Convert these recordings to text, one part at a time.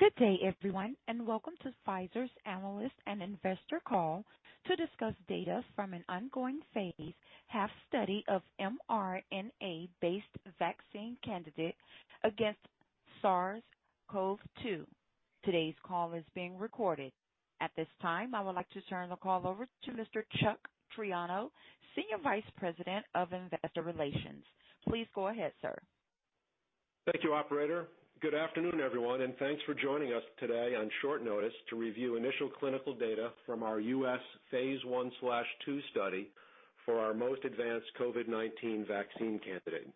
Good day everyone, welcome to Pfizer's Analyst and Investor Call to discuss data from an ongoing phase I/II study of mRNA-based vaccine candidate against SARS-CoV-2. Today's call is being recorded. At this time, I would like to turn the call over to Mr. Chuck Triano, Senior Vice President of Investor Relations. Please go ahead, sir. Thank you, operator. Good afternoon, everyone, and thanks for joining us today on short notice to review initial clinical data from our U.S. phase I/II study for our most advanced COVID-19 vaccine candidate.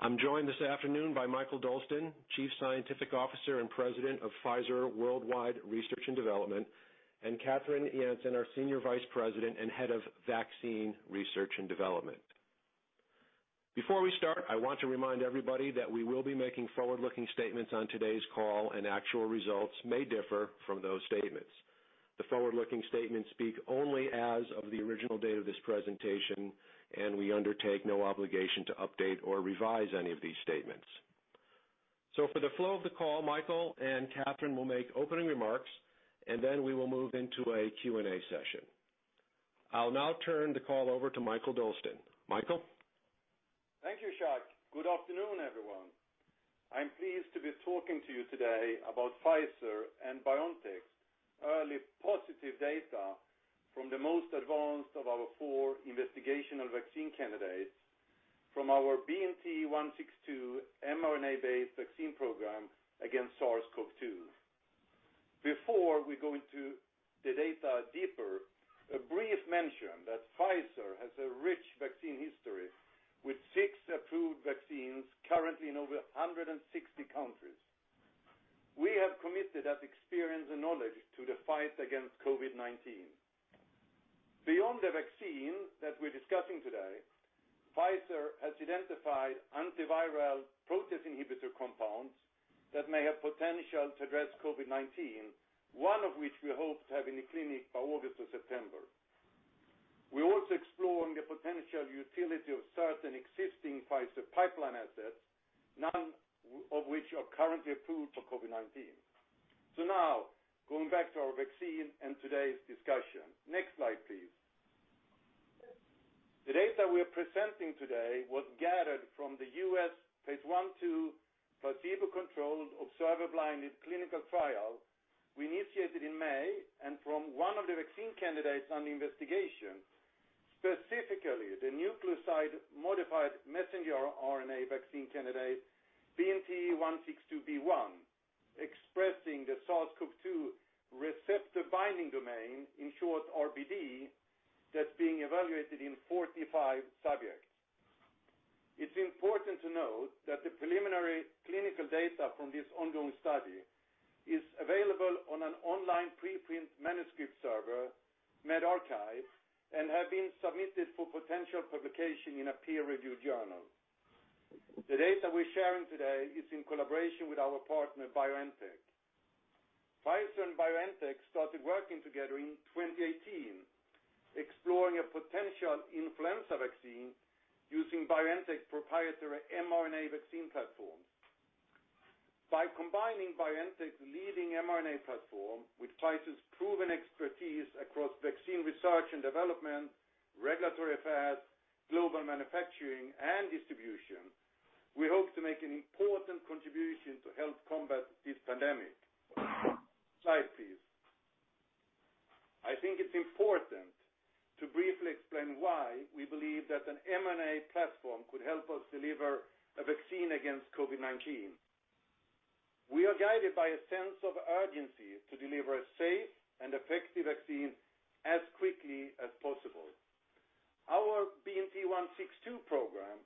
I'm joined this afternoon by Mikael Dolsten, Chief Scientific Officer and President of Pfizer Worldwide Research and Development, and Kathrin Jansen, our Senior Vice President and Head of Vaccine Research and Development. Before we start, I want to remind everybody that we will be making forward-looking statements on today's call, and actual results may differ from those statements. The forward-looking statements speak only as of the original date of this presentation, and we undertake no obligation to update or revise any of these statements. For the flow of the call, Mikael and Kathrin will make opening remarks, and then we will move into a Q&A session. I'll now turn the call over to Mikael Dolsten. Mikael? Thank you, Chuck. Good afternoon, everyone. I'm pleased to be talking to you today about Pfizer and BioNTech's early positive data from the most advanced of our four investigational vaccine candidates from our BNT162 mRNA-based vaccine program against SARS-CoV-2. Before we go into the data deeper, a brief mention that Pfizer has a rich vaccine history with six approved vaccines currently in over 160 countries. We have committed that experience and knowledge to the fight against COVID-19. Beyond the vaccine that we're discussing today, Pfizer has identified antiviral protease inhibitor compounds that may have potential to address COVID-19, one of which we hope to have in the clinic by August or September. We're also exploring the potential utility of certain existing Pfizer pipeline assets, none of which are currently approved for COVID-19. Now, going back to our vaccine and today's discussion. Next slide, please. The data we're presenting today was gathered from the U.S. phase I/II placebo-controlled observer blinded clinical trial we initiated in May and from one of the vaccine candidates on the investigation, specifically the nucleoside-modified mRNA vaccine candidate BNT162b1, expressing the SARS-CoV-2 receptor binding domain, in short RBD, that's being evaluated in 45 subjects. It's important to note that the preliminary clinical data from this ongoing study is available on an online preprint manuscript server, medRxiv, and have been submitted for potential publication in a peer-reviewed journal. The data we're sharing today is in collaboration with our partner, BioNTech. Pfizer and BioNTech started working together in 2018, exploring a potential influenza vaccine using BioNTech's proprietary mRNA vaccine platform. By combining BioNTech's leading mRNA platform with Pfizer's proven expertise across vaccine research and development, regulatory affairs, global manufacturing, and distribution, we hope to make an important contribution to help combat this COVID-19 pandemic. Slide, please. I think it's important to briefly explain why we believe that an mRNA platform could help us deliver a vaccine against COVID-19. We are guided by a sense of urgency to deliver a safe and effective vaccine as quickly as possible. Our BNT162 program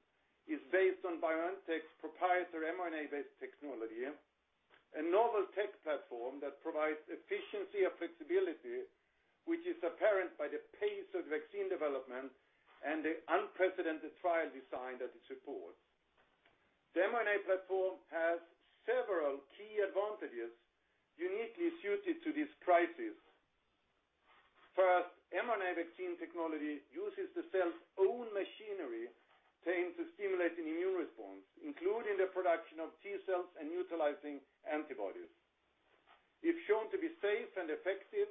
is based on BioNTech's proprietary mRNA-based technology, a novel tech platform that provides efficiency and flexibility, which is apparent by the pace of vaccine development and the unprecedented trial design that it supports. The mRNA platform has several key advantages uniquely suited to this crisis. First, mRNA vaccine technology uses the cell's own machinery trained to stimulate an immune response, including the production of T cells and utilizing antibodies. If shown to be safe and effective,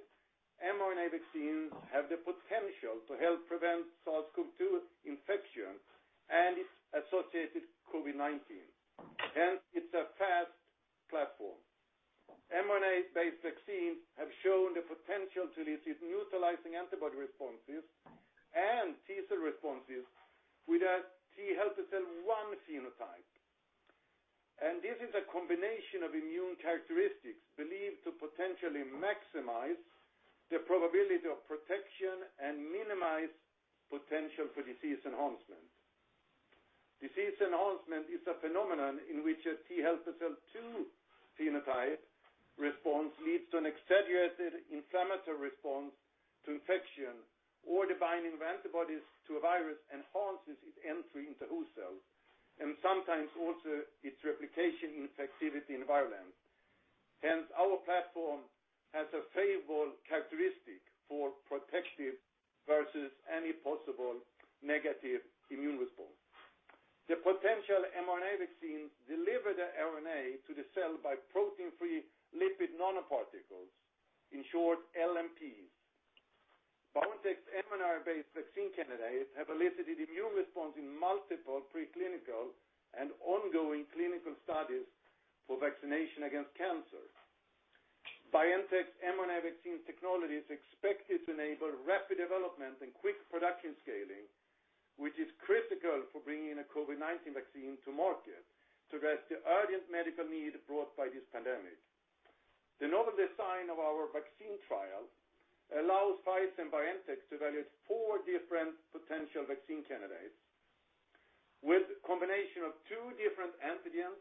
mRNA vaccines have the potential to help prevent SARS-CoV-2 infection and its associated COVID-19. It's a fast platform. mRNA-based vaccines have shown the potential to elicit neutralizing antibody responses and T cell responses with a T helper cell 1 phenotype. This is a combination of immune characteristics believed to potentially maximize the probability of protection and minimize potential for disease enhancement. Disease enhancement is a phenomenon in which a T helper cell 2 phenotype response leads to an exaggerated inflammatory response to infection or the binding of antibodies to a virus enhances its entry into host cells and sometimes also its replication and infectivity in the environment. Hence, our platform has a favorable characteristic for protective versus any possible negative immune response. The potential mRNA vaccine deliver the RNA to the cell by protein-free lipid nanoparticles, in short, LNPs. BioNTech's mRNA-based vaccine candidates have elicited immune response in multiple pre-clinical and ongoing clinical studies for vaccination against cancer. BioNTech's mRNA vaccine technology is expected to enable rapid development and quick production scaling, which is critical for bringing a COVID-19 vaccine to market to address the urgent medical need brought by this pandemic. The novel design of our vaccine trial allows Pfizer and BioNTech to evaluate four different potential vaccine candidates with combination of two different antigens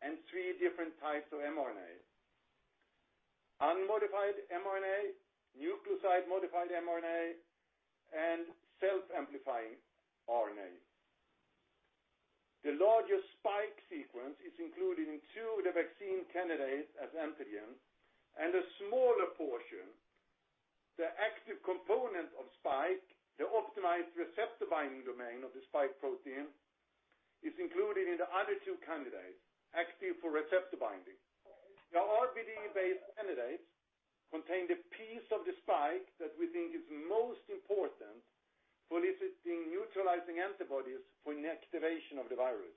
and three different types of mRNA, unmodified mRNA, nucleoside-modified mRNA, and self-amplifying RNA. The largest spike sequence is included in two of the vaccine candidates as antigen and a smaller portion, the active component of spike, the optimized receptor-binding domain of the spike protein, is included in the other two candidates active for receptor-binding. The RBD-based candidates contain the piece of the spike that we think is most important for eliciting neutralizing antibodies for inactivation of the virus.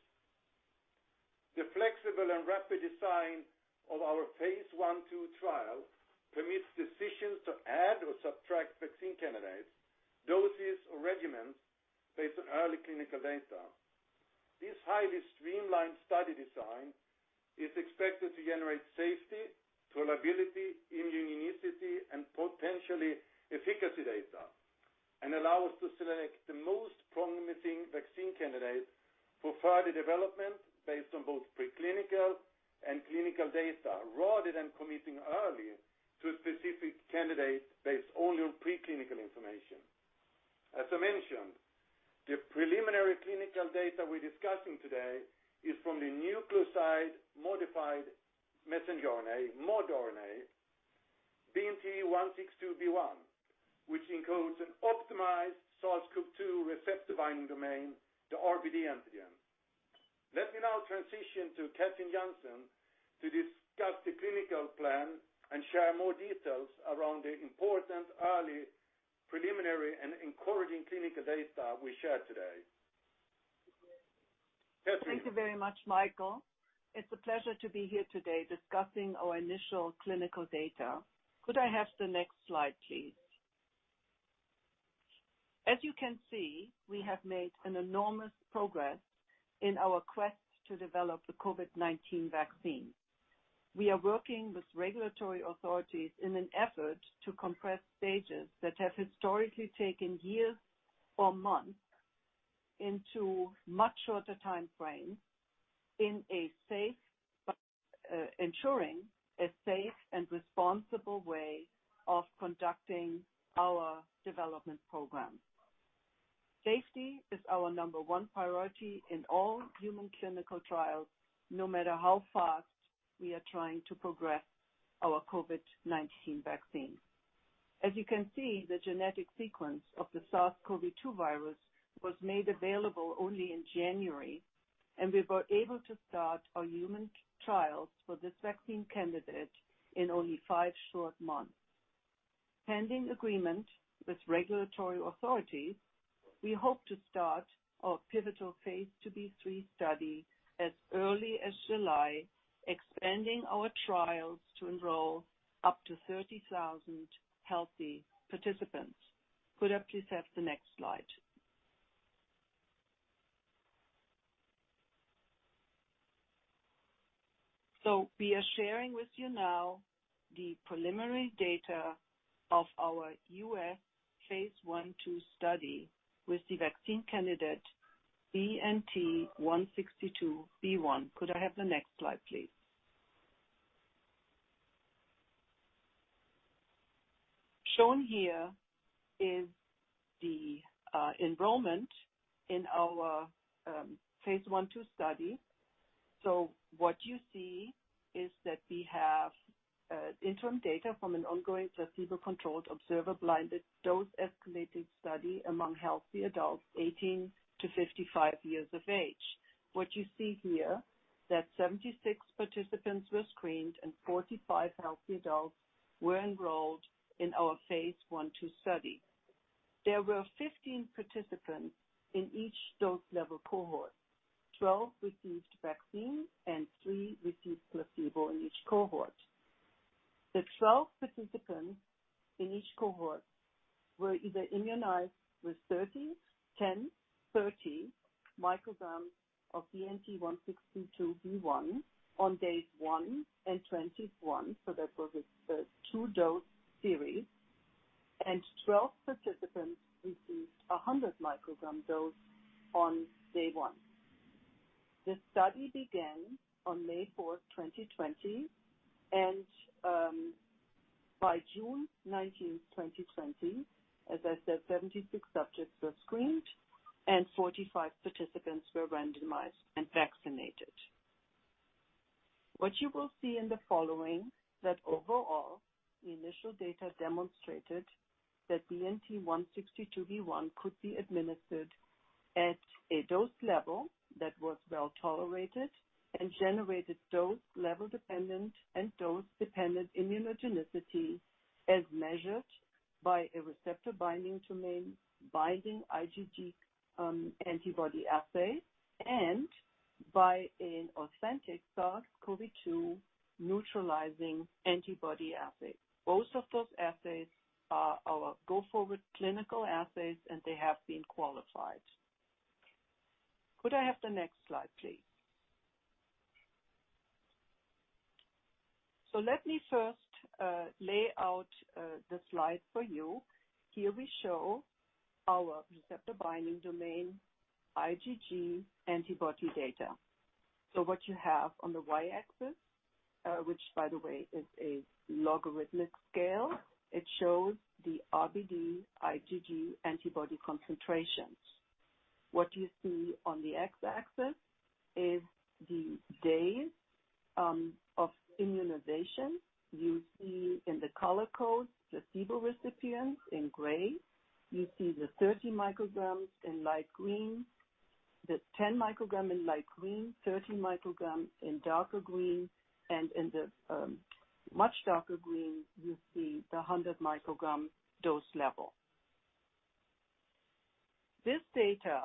The flexible and rapid design of our phase I/II trial permits decisions to add or subtract vaccine candidates, doses, or regimens based on early clinical data. This highly streamlined study design is expected to generate safety, tolerability, immunogenicity, and potentially efficacy data, and allow us to select the most promising vaccine candidates for further development based on both pre-clinical and clinical data, rather than committing early to a specific candidate based only on pre-clinical information. As I mentioned, the preliminary clinical data we're discussing today is from the nucleoside-modified messenger RNA, modRNA, BNT162b1, which encodes an optimized SARS-CoV-2 receptor-binding domain, the RBD antigen. Let me now transition to Kathrin Jansen to discuss the clinical plan and share more details around the important early preliminary and encouraging clinical data we shared today. Kathrin. Thank you very much, Mikael. It's a pleasure to be here today discussing our initial clinical data. Could I have the next slide, please? As you can see, we have made an enormous progress in our quest to develop the COVID-19 vaccine. We are working with regulatory authorities in an effort to compress stages that have historically taken years or months into much shorter time frames, ensuring a safe and responsible way of conducting our development program. Safety is our number one priority in all human clinical trials, no matter how fast we are trying to progress our COVID-19 vaccine. As you can see, the genetic sequence of the SARS-CoV-2 virus was made available only in January, we were able to start our human trials for this vaccine candidate in only five short months. Pending agreement with regulatory authorities, we hope to start our pivotal phase IIb/III study as early as July, expanding our trials to enroll up to 30,000 healthy participants. Could I please have the next slide? We are sharing with you now the preliminary data of our U.S. phase I/II study with the vaccine candidate BNT162b1. Could I have the next slide, please? Shown here is the enrollment in our phase I/II study. What you see is that we have interim data from an ongoing placebo-controlled observer blinded dose escalated study among healthy adults 18 to 55 years of age. What you see here, that 76 participants were screened and 45 healthy adults were enrolled in our phase I/II study. There were 15 participants in each dose level cohort. 12 received vaccine, and three received placebo in each cohort. The 12 participants in each cohort were either immunized with 30, 10, 30 micrograms of BNT162b1 on day one and 21, so that was a two-dose series. 12 participants received 100 microgram dose on day one. The study began on May 4th, 2020. By June 19th, 2020, as I said, 76 subjects were screened and 45 participants were randomized and vaccinated. What you will see in the following, that overall, the initial data demonstrated that BNT162b1 could be administered at a dose level that was well-tolerated and generated dose-level dependent and dose-dependent immunogenicity as measured by a receptor-binding domain, binding IgG antibody assay, and by an authentic SARS-CoV-2 neutralizing antibody assay. Both of those assays are our go-forward clinical assays, and they have been qualified. Could I have the next slide, please? Let me first lay out the slide for you. Here we show our receptor-binding domain, IgG antibody data. What you have on the Y-axis, which by the way is a logarithmic scale, it shows the RBD IgG antibody concentrations. What you see on the X-axis is the days of immunization. You see in the color code, placebo recipients in gray. You see the 30 micrograms in light green, the 10 microgram in light green, 30 micrograms in darker green, and in the much darker green, you see the 100-microgram dose level. This data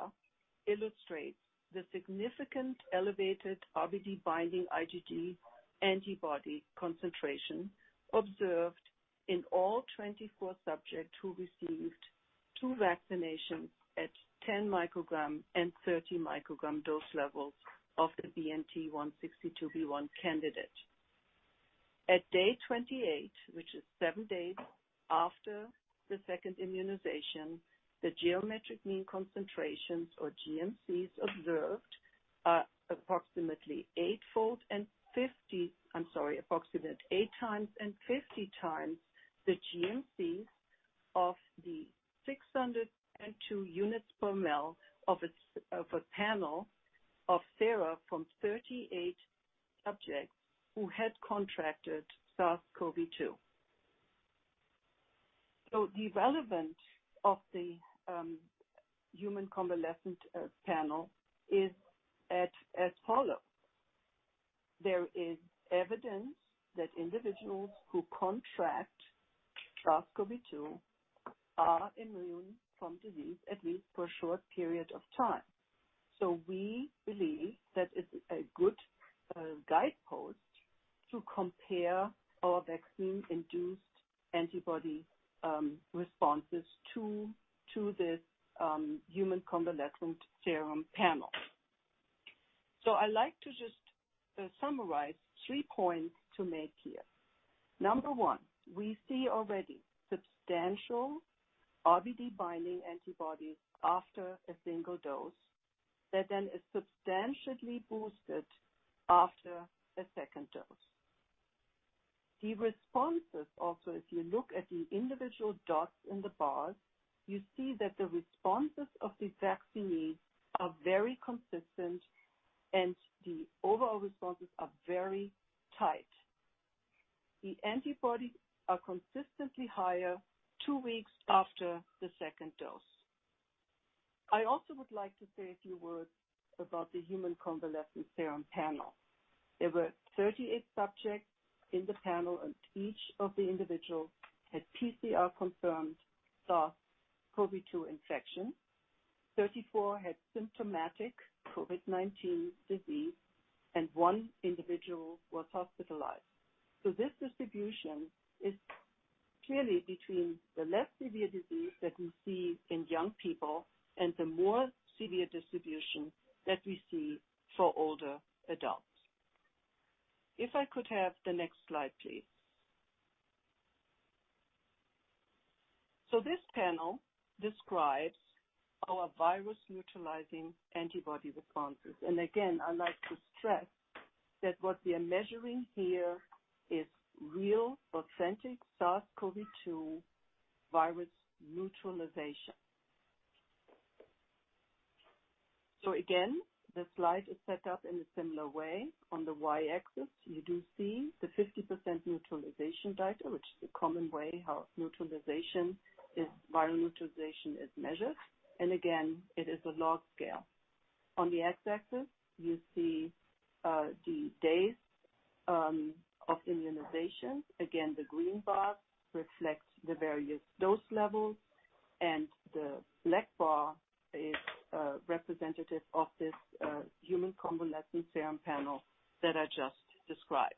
illustrates the significant elevated RBD binding IgG antibody concentration observed in all 24 subjects who received two vaccinations at 10 microgram and 30 microgram dose levels of the BNT162b1 candidate. At day 28, which is seven days after the second immunization, the geometric mean concentrations or GMCs observed are approximate eight times and 50 times the GMCs of the 602 units per ml of a panel of sera from 38 subjects who had contracted SARS-CoV-2. The relevance of the human convalescent panel is as follows. There is evidence that individuals who contract SARS-CoV-2 are immune from disease, at least for a short period of time. We believe that it's a good guidepost to compare our vaccine-induced antibody responses to this human convalescent serum panel. I like to just summarize three points to make here. Number one, we see already substantial RBD binding antibodies after a single dose that then is substantially boosted after a second dose. The responses, if you look at the individual dots in the bars, you see that the responses of the vaccinees are very consistent, and the overall responses are very tight. The antibodies are consistently higher two weeks after the second dose. I also would like to say a few words about the human convalescent serum panel. There were 38 subjects in the panel, and each of the individuals had PCR-confirmed SARS-CoV-2 infection. 34 had symptomatic COVID-19 disease, and one individual was hospitalized. This distribution is clearly between the less severe disease that we see in young people and the more severe distribution that we see for older adults. If I could have the next slide, please. This panel describes our virus-neutralizing antibody responses. Again, I like to stress that what we are measuring here is real authentic SARS-CoV-2 virus neutralization. Again, the slide is set up in a similar way. On the Y-axis, you do see the 50% neutralization titer, which is a common way how viral neutralization is measured. Again, it is a log scale. On the X-axis, you see the days of immunization. Again, the green bar reflects the various dose levels, and the black bar is representative of this human convalescent serum panel that I just described.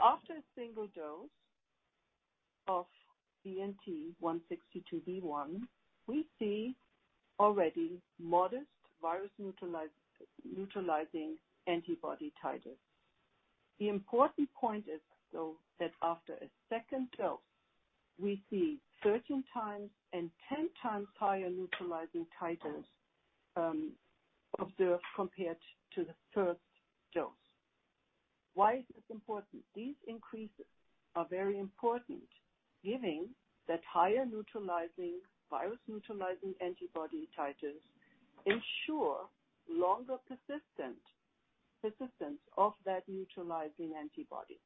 After a single dose of BNT162b1, we see already modest virus-neutralizing antibody titers. The important point is, though, that after a second dose, we see 13 times and 10 times higher neutralizing titers observed compared to the first dose. Why is this important? These increases are very important, given that higher virus-neutralizing antibody titers ensure longer persistence of that neutralizing antibody.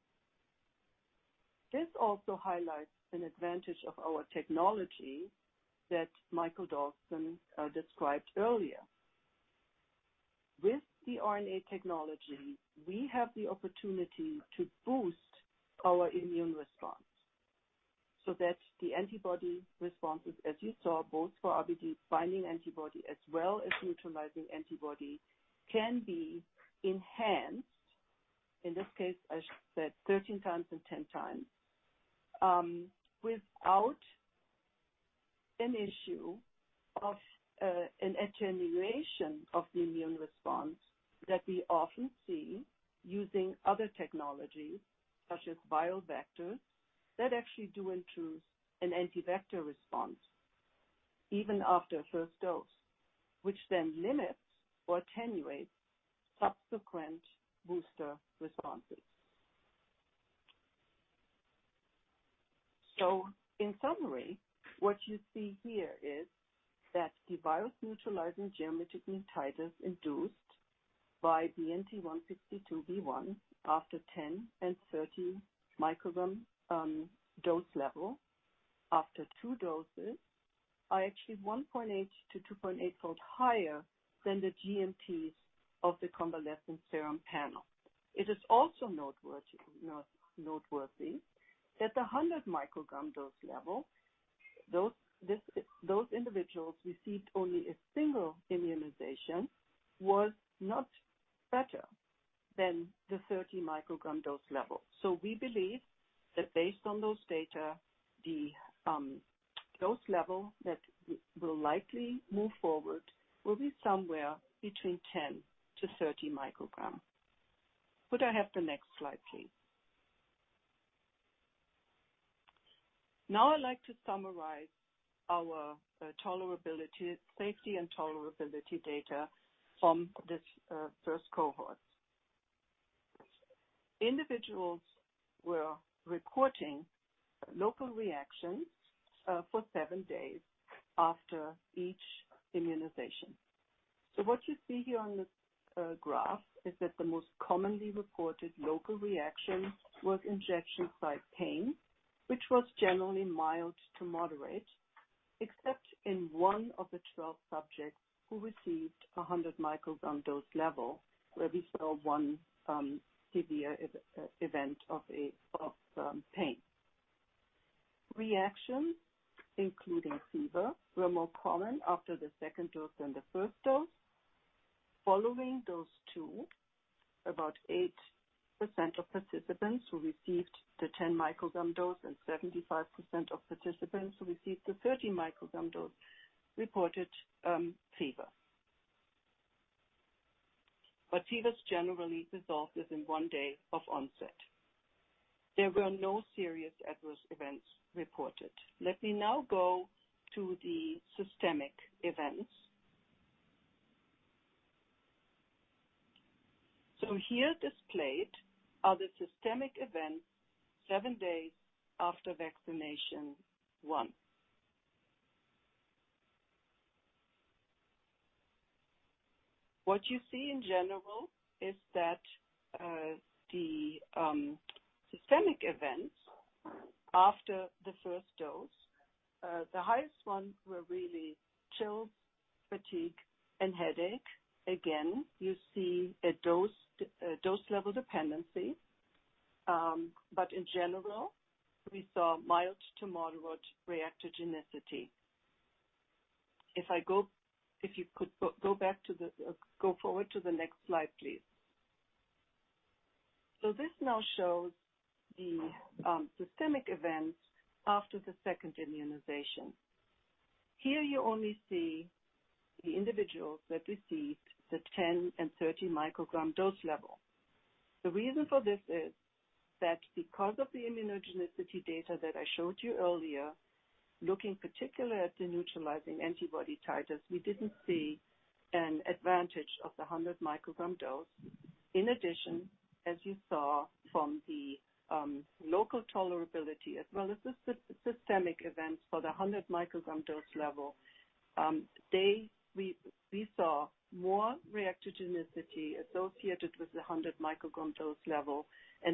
This also highlights an advantage of our technology that Mikael Dolsten described earlier. With the RNA technology, we have the opportunity to boost our immune response, so that the antibody responses, as you saw, both for RBD-binding antibody as well as neutralizing antibody, can be enhanced, in this case, as I said, 13 times and 10 times, without an issue of an attenuation of the immune response that we often see using other technologies, such as viral vectors, that actually do induce an anti-vector response even after a first dose, which then limits or attenuates subsequent booster responses. In summary, what you see here is that the virus neutralizing geometric mean titers induced by BNT162b1 after 10 and 30 microgram dose level after two doses, are actually 1.8 to 2.8-fold higher than the GMTs of the convalescent serum panel. It is also noteworthy that the 100 microgram dose level, those individuals received only a single immunization, was not better than the 30 microgram dose level. We believe that based on those data, the dose level that will likely move forward will be somewhere between 10 to 30 micrograms. Could I have the next slide, please? Now I'd like to summarize our safety and tolerability data from this first cohort. Individuals were reporting local reactions for seven days after each immunization. What you see here on the graph is that the most commonly reported local reaction was injection site pain, which was generally mild to moderate, except in one of the 12 subjects who received 100 microgram dose level, where we saw one severe event of pain. Reactions including fever were more common after the second dose than the first dose. Following dose two, about 8% of participants who received the 10 microgram dose and 75% of participants who received the 30 microgram dose reported fever. Fevers generally resolved within one day of onset. There were no serious adverse events reported. Let me now go to the systemic events. Here displayed are the systemic events seven days after vaccination one. What you see in general is that the systemic events after the first dose, the highest ones were really chills, fatigue, and headache. Again, you see a dose-level dependency. In general, we saw mild to moderate reactogenicity. If you could go forward to the next slide, please. This now shows the systemic events after the second immunization. Here you only see the individuals that received the 10 and 30 microgram dose level. The reason for this is that because of the immunogenicity data that I showed you earlier, looking particularly at the neutralizing antibody titers, we didn't see an advantage of the 100 microgram dose. As you saw from the local tolerability as well as the systemic events for the 100 microgram dose level, we saw more reactogenicity associated with the 100 microgram dose level.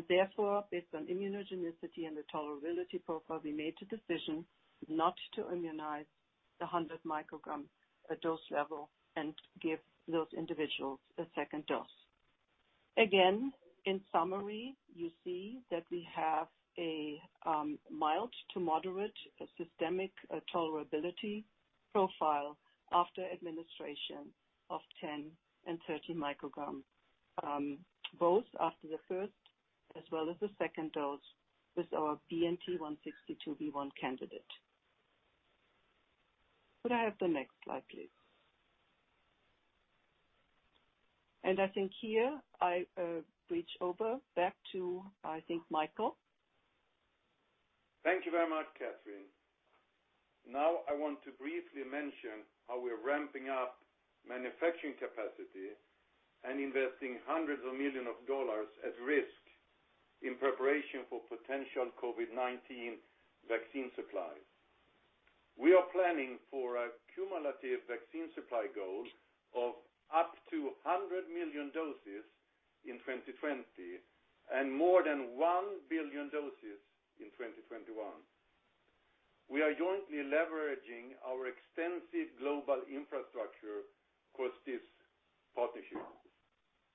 Therefore, based on immunogenicity and the tolerability profile, we made the decision not to immunize the 100 microgram dose level and give those individuals a second dose. Again, in summary, you see that we have a mild to moderate systemic tolerability profile after administration of 10 and 30 microgram, both after the first as well as the second dose, with our BNT162b1 candidate. Could I have the next slide, please? I think here I reach over back to, I think, Mikael. Thank you very much, Kathrin. I want to briefly mention how we're ramping up manufacturing capacity and investing $ hundreds of millions at risk in preparation for potential COVID-19 vaccine supplies. We are planning for a cumulative vaccine supply goal of up to 100 million doses in 2020, and more than 1 billion doses in 2021. We are jointly leveraging our extensive global infrastructure across this partnership.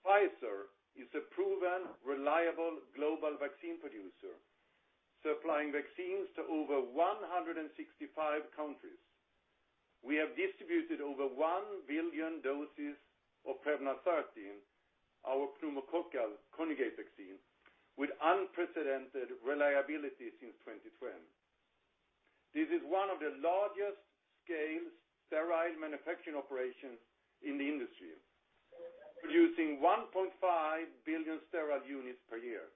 Pfizer is a proven, reliable global vaccine producer, supplying vaccines to over 165 countries. We have distributed over 1 billion doses of Prevnar 13, our pneumococcal conjugate vaccine, with unprecedented reliability since 2010. This is one of the largest scale sterile manufacturing operations in the industry, producing 1.5 billion sterile units per year.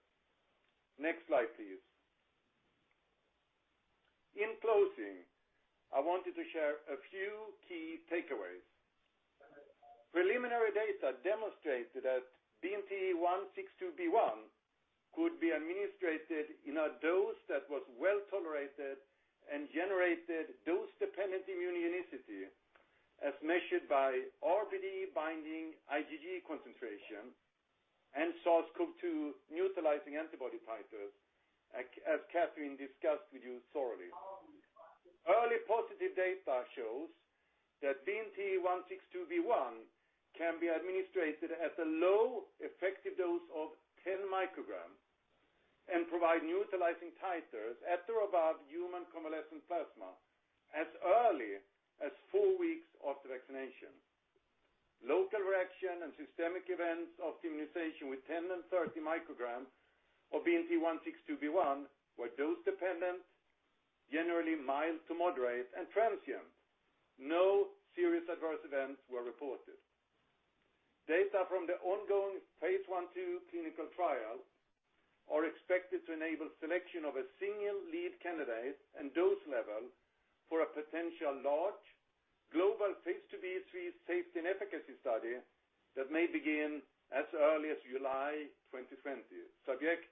Next slide, please. In closing, I wanted to share a few key takeaways. Preliminary data demonstrated that BNT162b1 could be administered in a dose that was well-tolerated and generated dose-dependent immunogenicity as measured by RBD binding IgG concentration and SARS-CoV-2-neutralizing antibody titers, as Kathrin discussed with you thoroughly. Early positive data shows that BNT162b1 can be administered at a low effective dose of 10 micrograms and provide neutralizing titers at or above human convalescent plasma as early as four weeks after vaccination. Local reaction and systemic events of immunization with 10 and 30 micrograms of BNT162b1 were dose dependent, generally mild to moderate, and transient. No serious adverse events were reported. Data from the ongoing phase I/II clinical trial are expected to enable selection of a single lead candidate and dose level for a potential large global phase II/III safety and efficacy study that may begin as early as July 2020, subject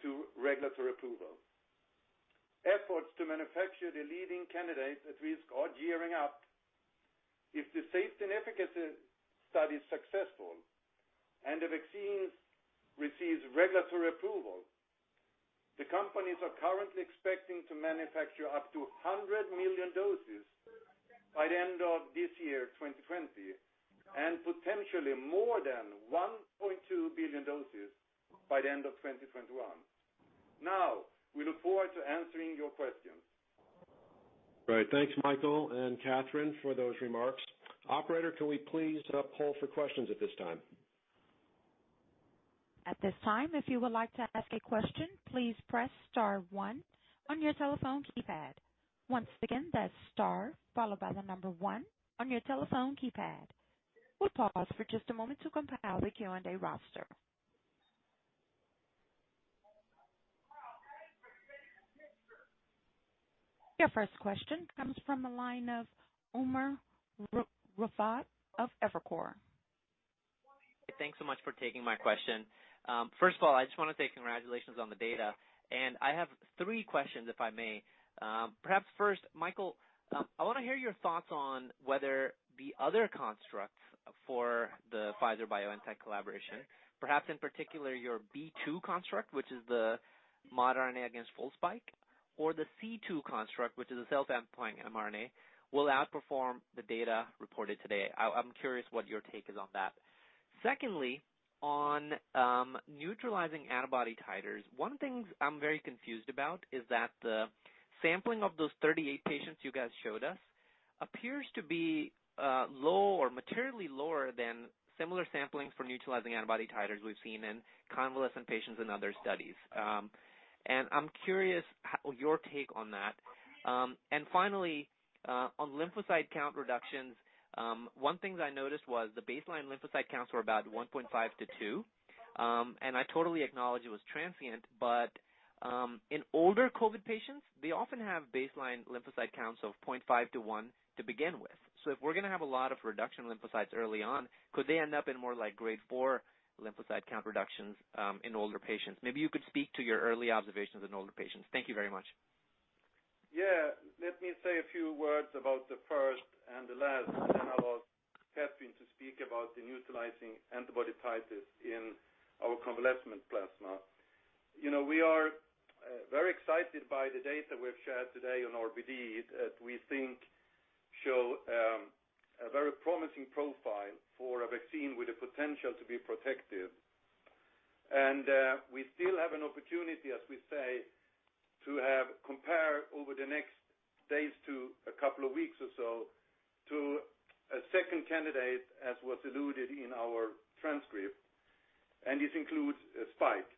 to regulatory approval. Efforts to manufacture the leading candidate at risk are gearing up. If the safety and efficacy study is successful and the vaccine receives regulatory approval, the companies are currently expecting to manufacture up to 100 million doses by the end of this year, 2020, and potentially more than 1.2 billion doses by the end of 2021. We look forward to answering your questions. Great. Thanks, Mikael and Kathrin, for those remarks. Operator, can we please set up call for questions at this time? At this time, if you would like to ask a question, please press star one on your telephone keypad. Once again, that's star followed by the number one on your telephone keypad. We'll pause for just a moment to compile the Q&A roster. Your first question comes from the line of Umer Raffat of Evercore. Thanks so much for taking my question. First of all, I just want to say congratulations on the data. I have three questions, if I may. Mikael, I want to hear your thoughts on whether the other constructs for the Pfizer-BioNTech collaboration, perhaps in particular your b2 construct, which is the mRNA against full spike, or the c2 construct, which is a self-amplifying mRNA, will outperform the data reported today. I'm curious what your take is on that. Secondly, on neutralizing antibody titers, one thing I'm very confused about is that the sampling of those 38 patients you guys showed us appears to be low or materially lower than similar sampling for neutralizing antibody titers we've seen in convalescent patients in other studies. I'm curious your take on that. Finally, on lymphocyte count reductions, one thing I noticed was the baseline lymphocyte counts were about 1.5-2, and I totally acknowledge it was transient, but in older COVID-19 patients, they often have baseline lymphocyte counts of 0.5-1 to begin with. If we're going to have a lot of reduction in lymphocytes early on, could they end up in more like grade 4 lymphocyte count reductions in older patients? Maybe you could speak to your early observations in older patients. Thank you very much. Yeah. Let me say a few words about the first and the last, and I'll ask Kathrin to speak about the neutralizing antibody titers in our convalescent plasma. We are very excited by the data we've shared today on RBD that we think show a very promising profile for a vaccine with the potential to be protective. We still have an opportunity, as we say, to compare over the next days to a couple of weeks or so to a second candidate, as was alluded in our transcript. This includes Spike.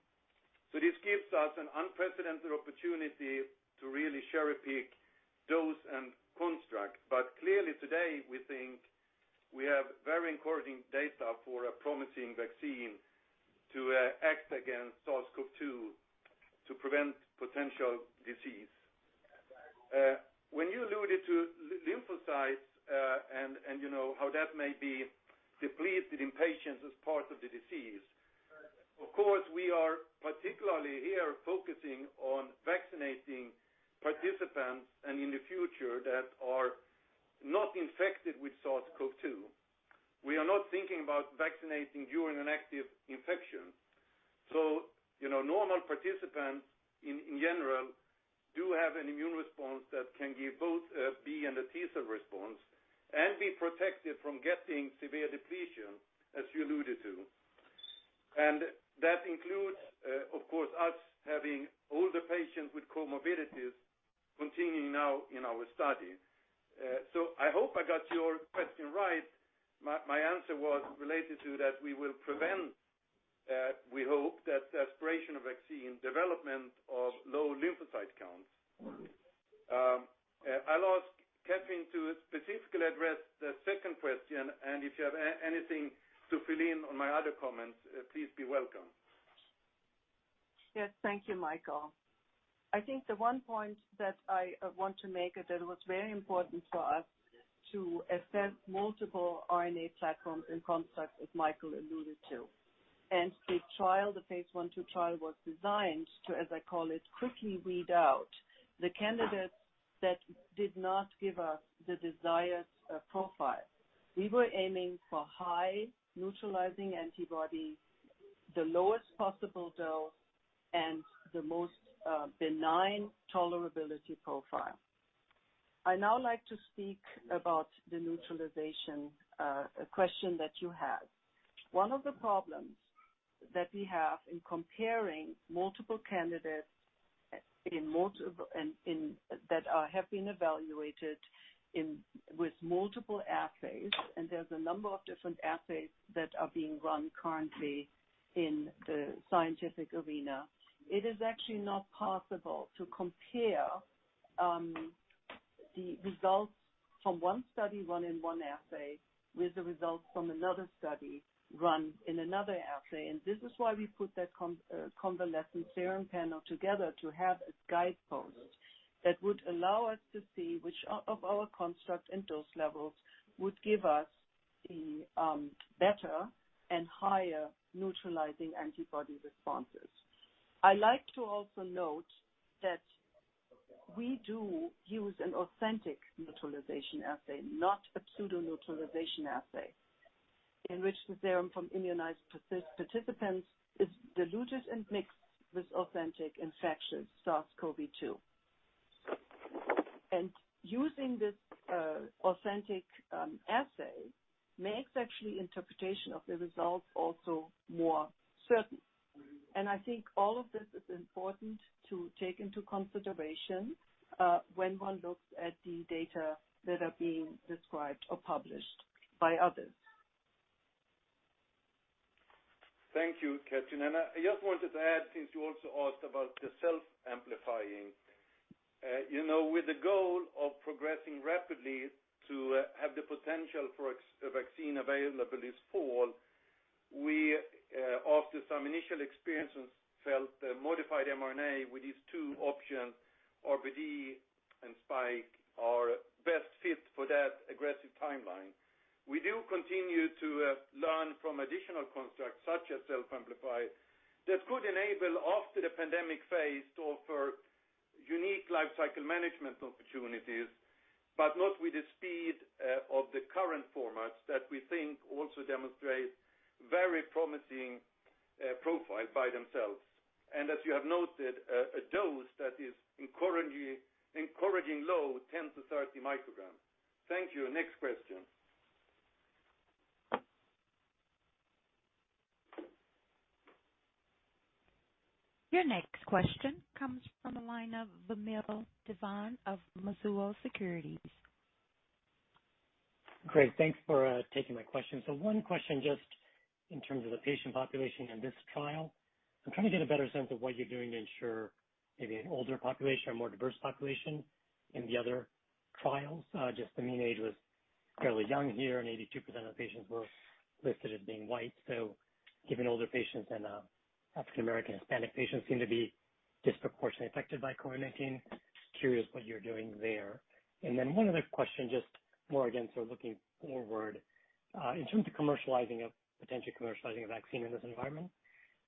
This gives us an unprecedented opportunity to really cherry-pick dose and construct. Clearly today, we think we have very encouraging data for a promising vaccine to act against SARS-CoV-2 to prevent potential disease. When you alluded to lymphocytes and how that may be depleted in patients as part of the disease, of course, we are particularly here focusing on vaccinating participants, and in the future, that are not infected with SARS-CoV-2. We are not thinking about vaccinating during an active infection. Normal participants, in general, do have an immune response that can give both a B and a T cell response and be protected from getting severe depletion, as you alluded to. That includes, of course, us having older patients with comorbidities continuing now in our study. I hope I got your question right. My answer was related to that we will prevent, we hope, that the aspiration of vaccine development of low lymphocyte counts. I'll ask Kathrin to specifically address the second question, and if you have anything to fill in on my other comments, please be welcome. Yes. Thank you, Mikael. I think the one point that I want to make, that it was very important for us to assess multiple RNA platforms and constructs, as Mikael alluded to. The phase I/II trial was designed to, as I call it, quickly weed out the candidates that did not give us the desired profile. We were aiming for high neutralizing antibody, the lowest possible dose, and the most benign tolerability profile. I'd now like to speak about the neutralization question that you had. One of the problems that we have in comparing multiple candidates that have been evaluated with multiple assays. There's a number of different assays that are being run currently in the scientific arena. It is actually not possible to compare the results from one study run in one assay with the results from another study run in another assay. This is why we put that convalescent serum panel together to have a guidepost that would allow us to see which of our constructs and dose levels would give us the better and higher neutralizing antibody responses. I like to also note that we do use an authentic neutralization assay, not a pseudo-neutralization assay, in which the serum from immunized participants is diluted and mixed with authentic infectious SARS-CoV-2. Using this authentic assay makes actually interpretation of the results also more certain. I think all of this is important to take into consideration when one looks at the data that are being described or published by others. Thank you, Kathrin. I just wanted to add, since you also asked about the self-amplifying. With the goal of progressing rapidly to have the potential for a vaccine available this fall, we, after some initial experiences, felt the modified mRNA with these two options, RBD and spike, are best fit for that aggressive timeline. We do continue to learn from additional constructs, such as self-amplified, that could enable after the pandemic phase to offer unique life cycle management opportunities, but not with the speed of the current formats that we think also demonstrate very promising profile by themselves. As you have noted, a dose that is encouragingly low, 10 to 30 micrograms. Thank you. Next question. Your next question comes from the line of Vamil Divan of Mizuho Securities. Great. Thanks for taking my question. One question just in terms of the patient population in this trial. I'm trying to get a better sense of what you're doing to ensure maybe an older population or more diverse population in the other trials. Just the mean age was fairly young here, and 82% of patients were listed as being white. Given older patients and African American, Hispanic patients seem to be disproportionately affected by COVID-19, just curious what you're doing there. One other question, just more again, sort of looking forward. In terms of potentially commercializing a vaccine in this environment,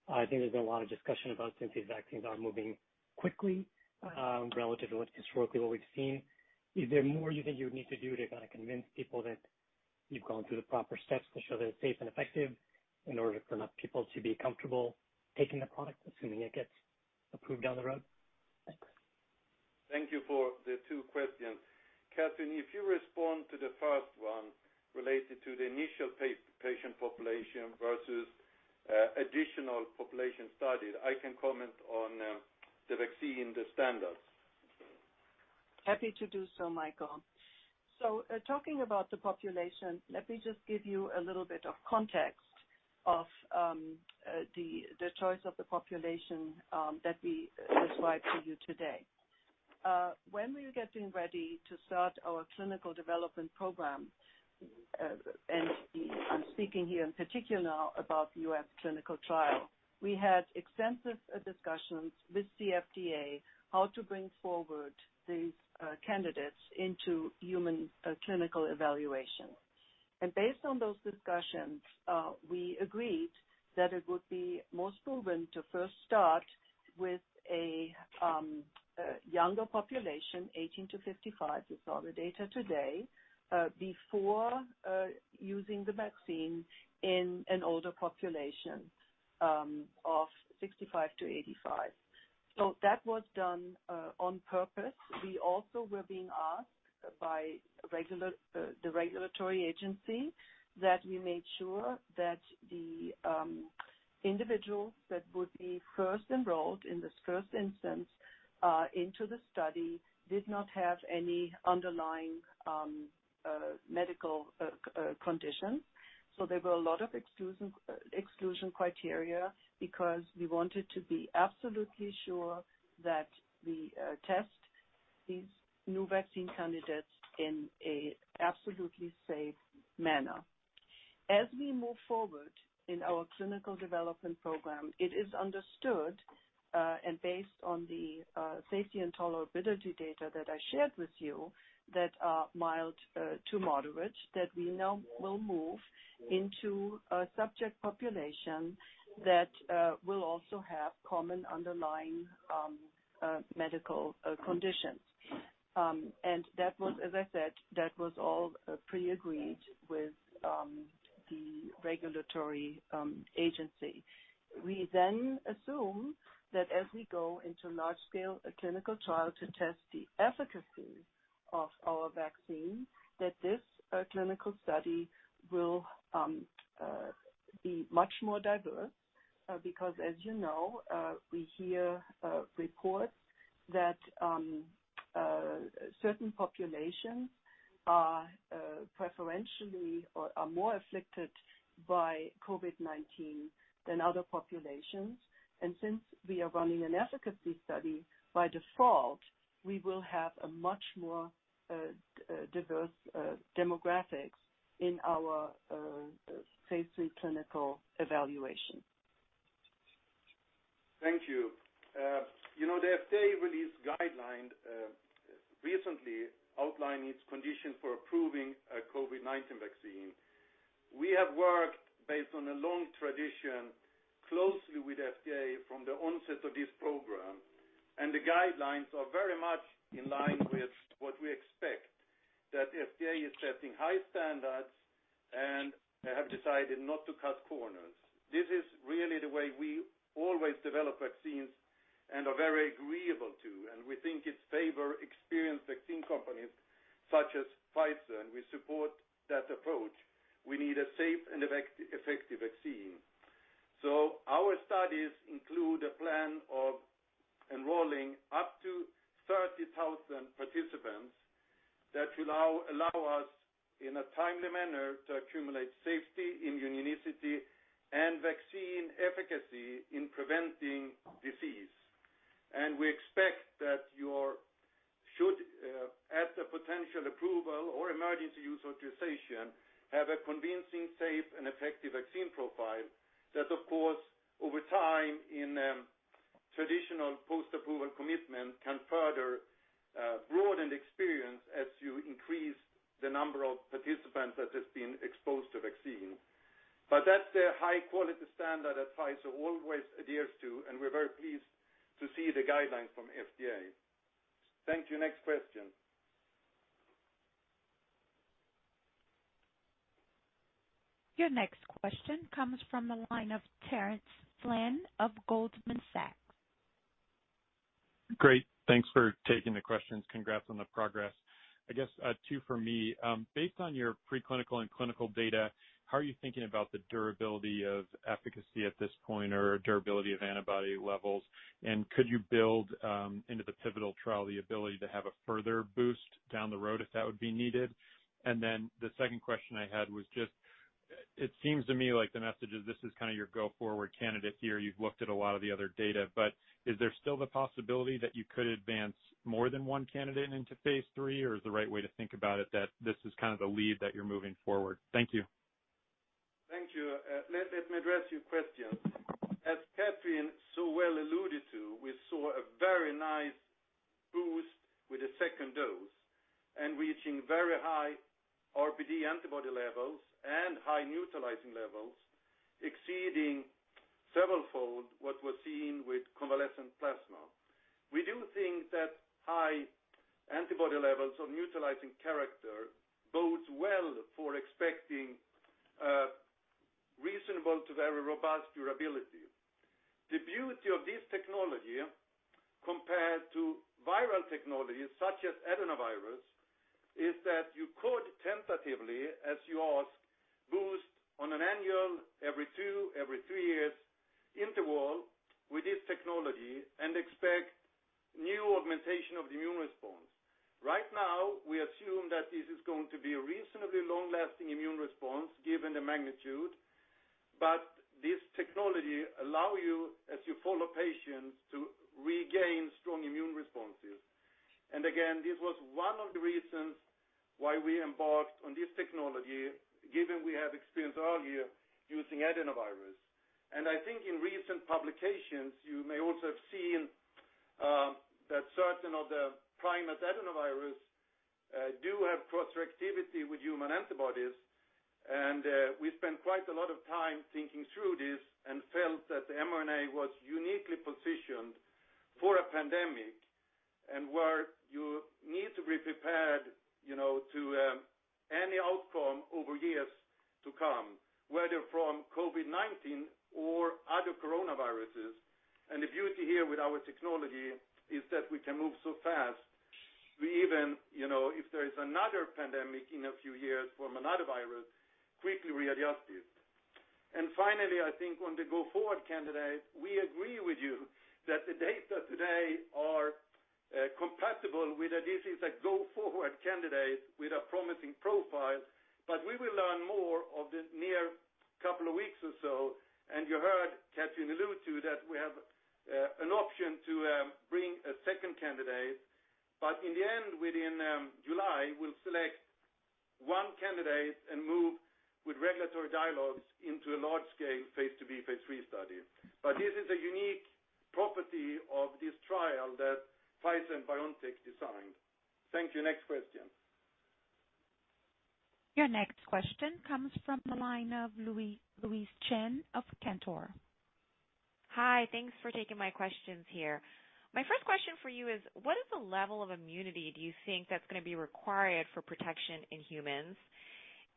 I think there's been a lot of discussion about since these vaccines are moving quickly, relatively historically what we've seen. Is there more you think you would need to do to convince people that you've gone through the proper steps to show they're safe and effective in order for enough people to be comfortable taking the product, assuming it gets approved down the road? Thanks. Thank you for the two questions. Kathrin, if you respond to the first one related to the initial patient population versus additional population studies, I can comment on the vaccine, the standards. Happy to do so, Mikael. Talking about the population, let me just give you a little bit of context of the choice of the population that we describe to you today. When we were getting ready to start our clinical development program, and I'm speaking here in particular about the U.S. clinical trial, we had extensive discussions with the FDA how to bring forward these candidates into human clinical evaluation. Based on those discussions, we agreed that it would be most proven to first start with a younger population, 18 to 55, we saw the data today, before using the vaccine in an older population of 65 to 85. That was done on purpose. We also were being asked by the regulatory agency that we made sure that the individuals that would be first enrolled in this first instance into the study did not have any underlying medical conditions. There were a lot of exclusion criteria because we wanted to be absolutely sure that we test these new vaccine candidates in a absolutely safe manner. As we move forward in our clinical development program, it is understood, and based on the safety and tolerability data that I shared with you, that are mild to moderate, that we now will move into a subject population that will also have common underlying medical conditions. As I said, that was all pre-agreed with the regulatory agency. We assume that as we go into large scale clinical trial to test the efficacy of our vaccine, that this clinical study will be much more diverse. Because as you know, we hear reports that certain populations are preferentially or are more afflicted by COVID-19 than other populations. Since we are running an efficacy study, by default, we will have a much more diverse demographics in our phase III clinical evaluation. Thank you. The FDA released guideline recently outlining its conditions for approving a COVID-19 vaccine. We have worked based on a long tradition closely with FDA from the onset of this program, and the guidelines are very much in line with what we expect, that FDA is setting high standards and have decided not to cut corners. This is really the way we always develop vaccines and are very agreeable to, and we think it favor experienced vaccine companies such as Pfizer, and we support that approach. We need a safe and effective vaccine. Our studies include a plan of enrolling up to 30,000 participants that will allow us, in a timely manner, to accumulate safety, immunogenicity, and vaccine efficacy in preventing disease. We expect that you should, at the potential approval or emergency use authorization, have a convincing, safe, and effective vaccine profile that, of course, over time, in traditional post-approval commitment, can further broaden experience as you increase the number of participants that have been exposed to vaccine. That's the high-quality standard that Pfizer always adheres to, and we're very pleased to see the guidelines from FDA. Thank you. Next question. Your next question comes from the line of Terence Flynn of Goldman Sachs. Great. Thanks for taking the questions. Congrats on the progress. I guess two from me. Based on your preclinical and clinical data, how are you thinking about the durability of efficacy at this point, or durability of antibody levels, and could you build into the pivotal trial the ability to have a further boost down the road if that would be needed? The second question I had was just, it seems to me like the message is this is kind of your go-forward candidate here. You've looked at a lot of the other data, is there still the possibility that you could advance more than one candidate into phase III, or is the right way to think about it that this is kind of the lead that you're moving forward? Thank you. Thank you. Let me address your questions. As Kathrin so well alluded to, we saw a very nice boost with the second dose, reaching very high RBD antibody levels and high neutralizing levels, exceeding severalfold what was seen with convalescent plasma. We do think that high antibody levels of neutralizing character bodes well for expecting reasonable to very robust durability. The beauty of this technology compared to viral technologies such as adenovirus is that you could tentatively, as you asked, boost on an annual, every two, every three years interval with this technology and expect new augmentation of the immune response. Right now, we assume that this is going to be a reasonably long-lasting immune response given the magnitude, but this technology allow you, as you follow patients, to regain strong immune responses. Again, this was one of the reasons why we embarked on this technology, given we have experience earlier using adenovirus. I think in recent publications, you may also have seen that certain of the primate adenovirus do have cross-reactivity with human antibodies. We spent quite a lot of time thinking through this and felt that the mRNA was uniquely positioned for a pandemic, and where you need to be prepared to any outcome over years to come, whether from COVID-19 or other coronaviruses. The beauty here with our technology is that we can move so fast. We even, if there is another pandemic in a few years from another virus, quickly readjust it. Finally, I think on the go-forward candidate, we agree with you that the data today are compatible with this as a go-forward candidate with a promising profile. We will learn more over the near couple of weeks or so. You heard Kathrin allude to that we have an option to bring a second candidate. In the end, within July, we'll select one candidate and move with regulatory dialogues into a large-scale phase II, phase III study. This is a unique property of this trial that Pfizer and BioNTech designed. Thank you. Next question. Your next question comes from the line of Louise Chen of Cantor. Hi. Thanks for taking my questions here. My first question for you is, what is the level of immunity do you think that's going to be required for protection in humans?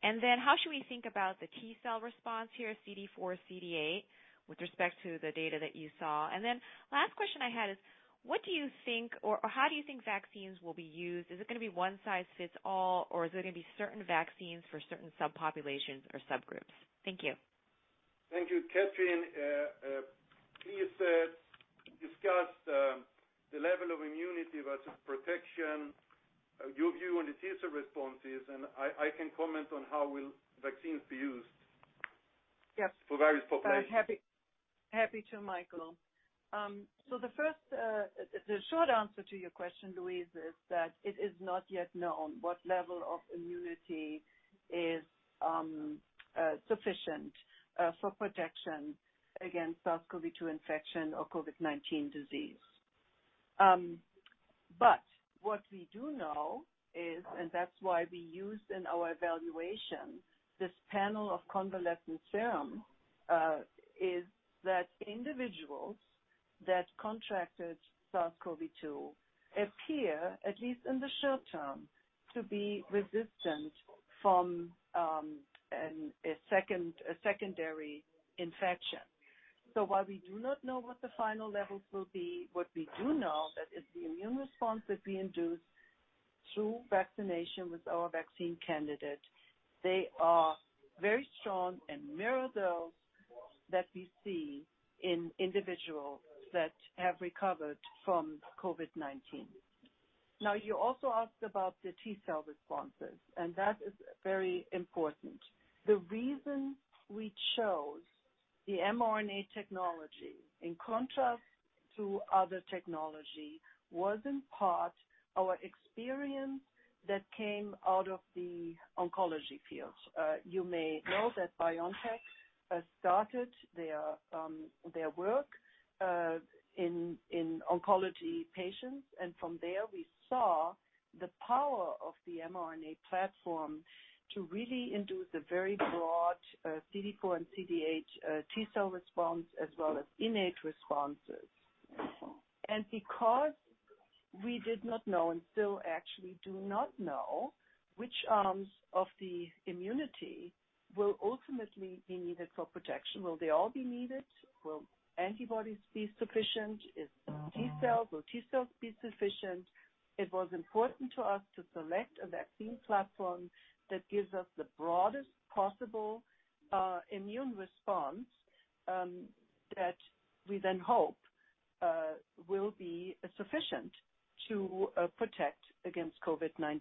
How should we think about the T cell response here, CD4, CD8, with respect to the data that you saw? Last question I had is, what do you think, or how do you think vaccines will be used? Is it going to be one size fits all, or is it going to be certain vaccines for certain subpopulations or subgroups? Thank you. Thank you. Kathrin, please discuss the level of immunity versus protection, your view on the T cell responses, and I can comment on how will vaccines be used. Yes for various populations. Happy to, Mikael. The short answer to your question, Louise, is that it is not yet known what level of immunity is sufficient for protection against SARS-CoV-2 infection or COVID-19 disease. What we do know is, and that's why we use in our evaluation this panel of convalescent serum, is that individuals that contracted SARS-CoV-2 appear, at least in the short term, to be resistant from a secondary infection. While we do not know what the final levels will be, what we do know that is the immune response that we induce through vaccination with our vaccine candidate, they are very strong and mirror those that we see in individuals that have recovered from COVID-19. Now, you also asked about the T cell responses, and that is very important. The reason we chose the mRNA technology in contrast to other technology was in part our experience that came out of the oncology field. You may know that BioNTech started their work in oncology patients, from there we saw the power of the mRNA platform to really induce a very broad CD4 and CD8 T cell response, as well as innate responses. Because we did not know and still actually do not know which arms of the immunity will ultimately be needed for protection, will they all be needed? Will antibodies be sufficient? Will T cells be sufficient? It was important to us to select a vaccine platform that gives us the broadest possible immune response, that we then hope will be sufficient to protect against COVID-19.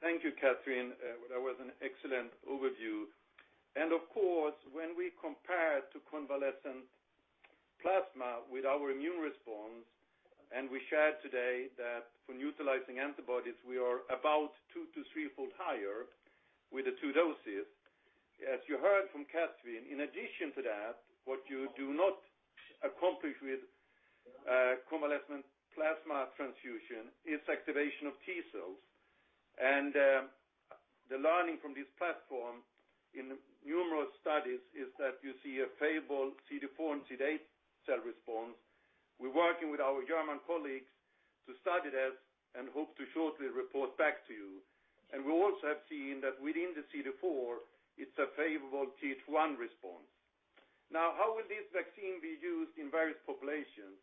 Thank you, Kathrin. That was an excellent overview. Of course, when we compared to convalescent plasma with our immune response, we shared today that for neutralizing antibodies, we are about two to threefold higher with the two doses. As you heard from Kathrin, in addition to that, what you do not accomplish with convalescent plasma transfusion is activation of T cells. The learning from this platform in numerous studies is that you see a favorable CD4 and CD8 cell response. We're working with our German colleagues to study this and hope to shortly report back to you. We also have seen that within the CD4, it's a favorable Th1 response. Now, how will this vaccine be used in various populations?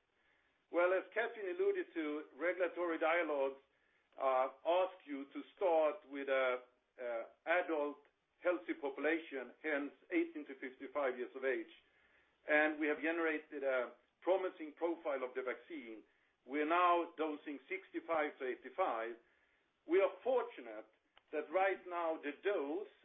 Well, as Kathrin alluded to, regulatory dialogues ask you to start with adult healthy population, hence 18 to 55 years of age. We have generated a promising profile of the vaccine. We're now dosing 65 to 85. We are fortunate that right now the dose,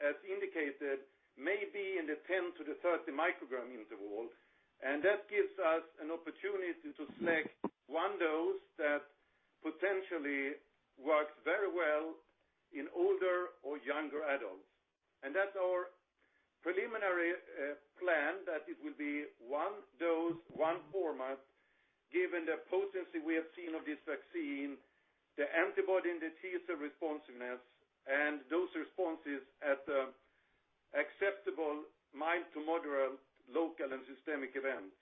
as indicated, may be in the 10 to 30 microgram interval. That gives us an opportunity to select one dose that potentially works very well in older or younger adults. That's our preliminary plan, that it will be one dose, one format, given the potency we have seen of this vaccine, the antibody and the T-cell responsiveness, and those responses at the acceptable mild to moderate local and systemic events.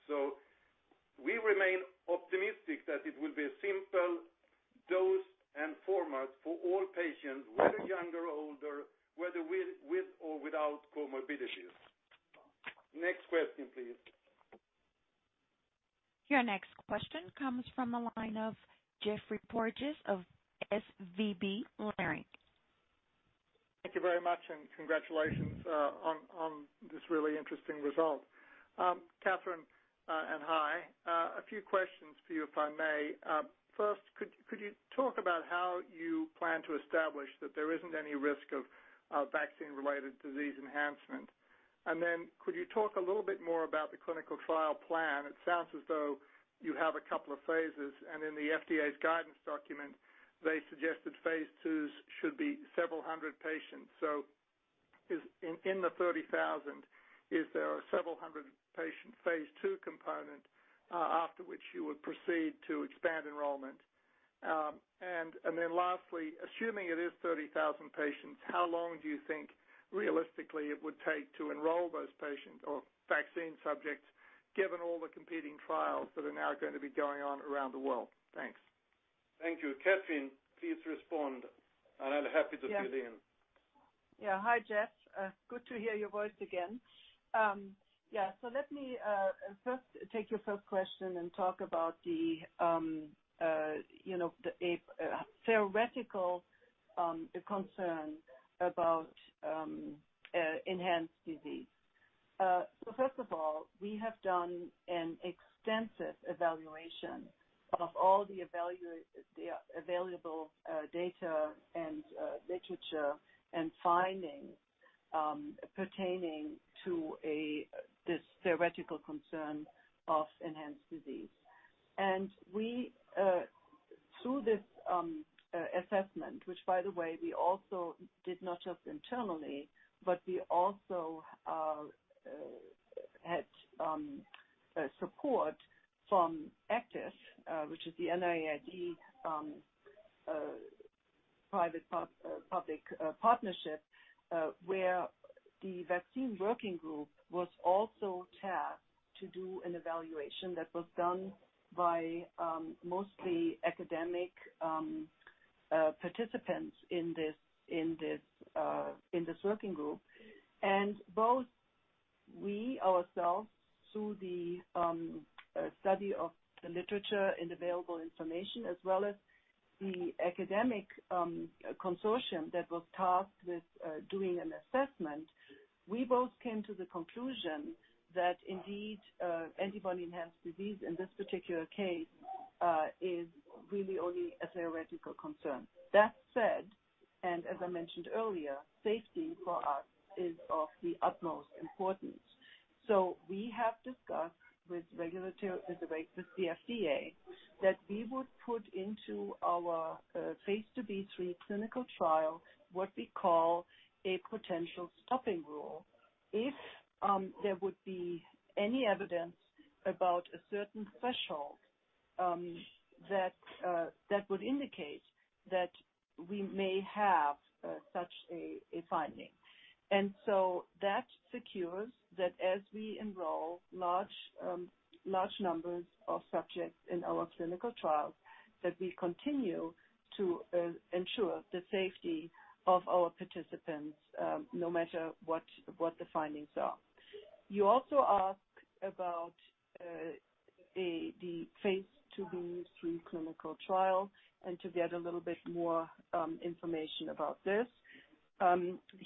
We remain optimistic that it will be a simple dose and format for all patients, whether younger or older, whether with or without comorbidities. Next question, please. Your next question comes from the line of Geoffrey Porges of SVB Leerink. Thank you very much, and congratulations on this really interesting result. Kathrin, and hi. A few questions for you, if I may. First, could you talk about how you plan to establish that there isn't any risk of vaccine-related disease enhancement? Could you talk a little bit more about the clinical trial plan? It sounds as though you have a couple of phases, and in the FDA's guidance document, they suggested phase IIs should be several hundred patients. In the 30,000, is there a several hundred-patient phase II component, after which you would proceed to expand enrollment? Lastly, assuming it is 30,000 patients, how long do you think realistically it would take to enroll those patients or vaccine subjects, given all the competing trials that are now going to be going on around the world? Thanks. Thank you. Kathrin, please respond, and I'm happy to fill in. Yeah. Hi, Geoff. Good to hear your voice again. Let me first take your first question and talk about the theoretical concern about enhanced disease. First of all, we have done an extensive evaluation of all the available data and literature and findings pertaining to this theoretical concern of enhanced disease. Through this assessment, which by the way, we also did not just internally, but we also had support from ACTIV, which is the NIAID public-private partnership where the vaccine working group was also tasked to do an evaluation that was done by mostly academic participants in this working group. Both we ourselves, through the study of the literature and available information, as well as the academic consortium that was tasked with doing an assessment, we both came to the conclusion that indeed, antibody-enhanced disease in this particular case is really only a theoretical concern. That said, and as I mentioned earlier, safety for us is of the utmost importance. We have discussed with the FDA, that we would put into our phase II, III clinical trial what we call a potential stopping rule. If there would be any evidence about a certain threshold that would indicate that we may have such a finding. That secures that as we enroll large numbers of subjects in our clinical trials, that we continue to ensure the safety of our participants, no matter what the findings are. You also ask about the phase II-B/III clinical trial and to get a little bit more information about this.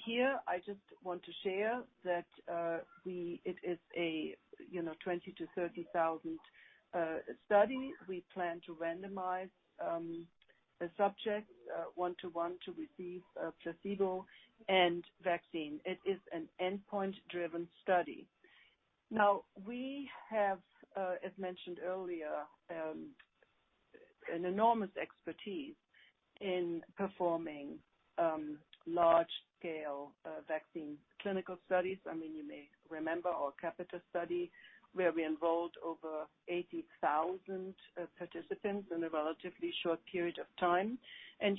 Here, I just want to share that it is a 20,000-30,000 study. We plan to randomize the subject one-to-one to receive a placebo and vaccine. It is an endpoint-driven study. We have, as mentioned earlier, an enormous expertise in performing large-scale vaccine clinical studies. You may remember our CAPiTA study, where we enrolled over 80,000 participants in a relatively short period of time.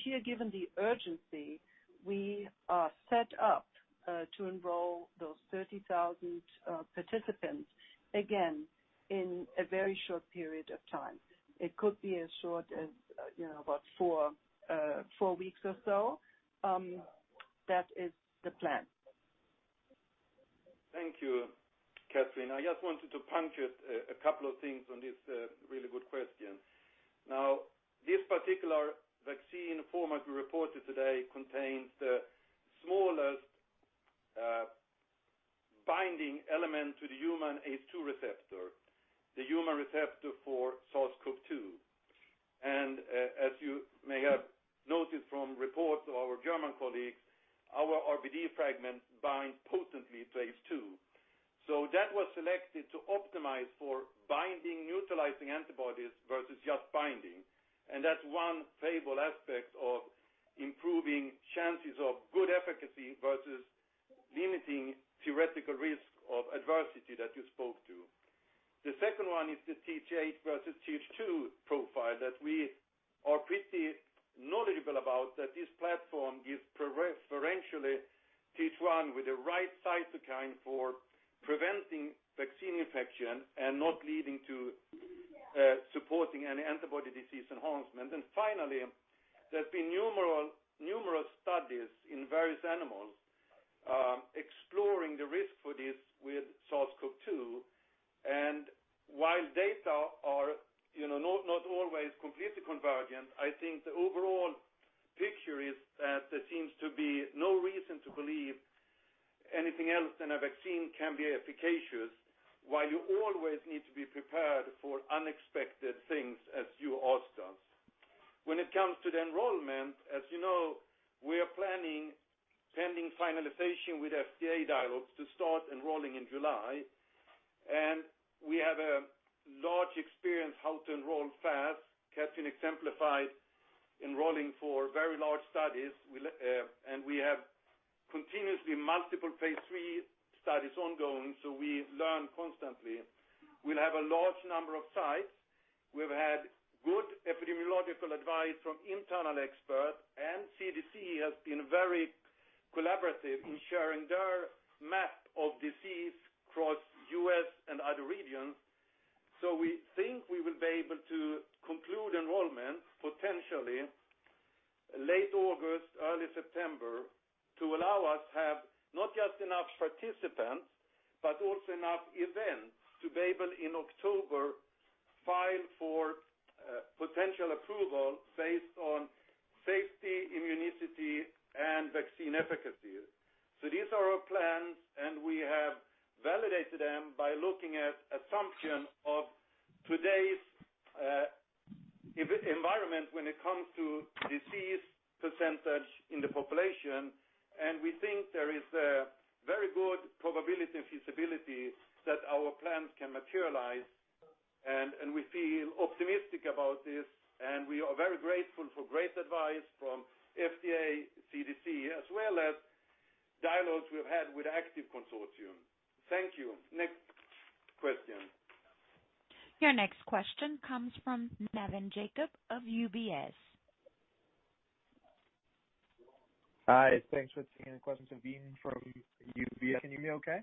Here, given the urgency, we are set up to enroll those 30,000 participants, again, in a very short period of time. It could be as short as about four weeks or so. That is the plan. Thank you, Kathrin. I just wanted to puncture a couple of things on this really good question. This particular vaccine format we reported today contains the smallest binding element to the human ACE2 receptor, the human receptor for SARS-CoV-2. As you may have noticed from reports of our German colleagues, our RBD fragment binds potently to ACE2. That was selected to optimize for binding neutralizing antibodies versus just binding. That's one favorable aspect of improving chances of good efficacy versus limiting theoretical risk of adversity that you spoke to. The second one is the Th1 versus Th2 profile that we are pretty knowledgeable about, that this platform gives preferentially Th1 with the right cytokine for preventing vaccine infection and not leading to supporting any antibody disease enhancement. Finally, there's been numerous studies in various animals exploring the risk for this with SARS-CoV-2. While data are not always completely convergent, I think the overall picture is that there seems to be no reason to believe anything else than a vaccine can be efficacious, while you always need to be prepared for unexpected things, as you asked us. When it comes to the enrollment, as you know, we are planning, pending finalization with FDA dialogues, to start enrolling in July. We have a large experience how to enroll fast. Kathrin exemplified enrolling for very large studies, and we have continuously multiple phase III studies ongoing, so we learn constantly. We'll have a large number of sites. We've had good epidemiological advice from internal experts, and CDC has been very collaborative in sharing their map of disease across U.S. and other regions. We think we will be able to conclude enrollment, potentially late August, early September, to allow us have not just enough participants, but also enough events to be able, in October, file for potential approval based on safety, immunity, and vaccine efficacy. These are our plans, and we have validated them by looking at assumption of today's environment when it comes to disease % in the population. We think there is a very good probability and feasibility that our plans can materialize, and we feel optimistic about this, and we are very grateful for great advice from FDA, CDC, as well as dialogues we've had with ACTIV consortium. Thank you. Next question. Your next question comes from Navin Jacob of UBS. Hi, thanks for taking the question. Navin from UBS. Can you hear me okay?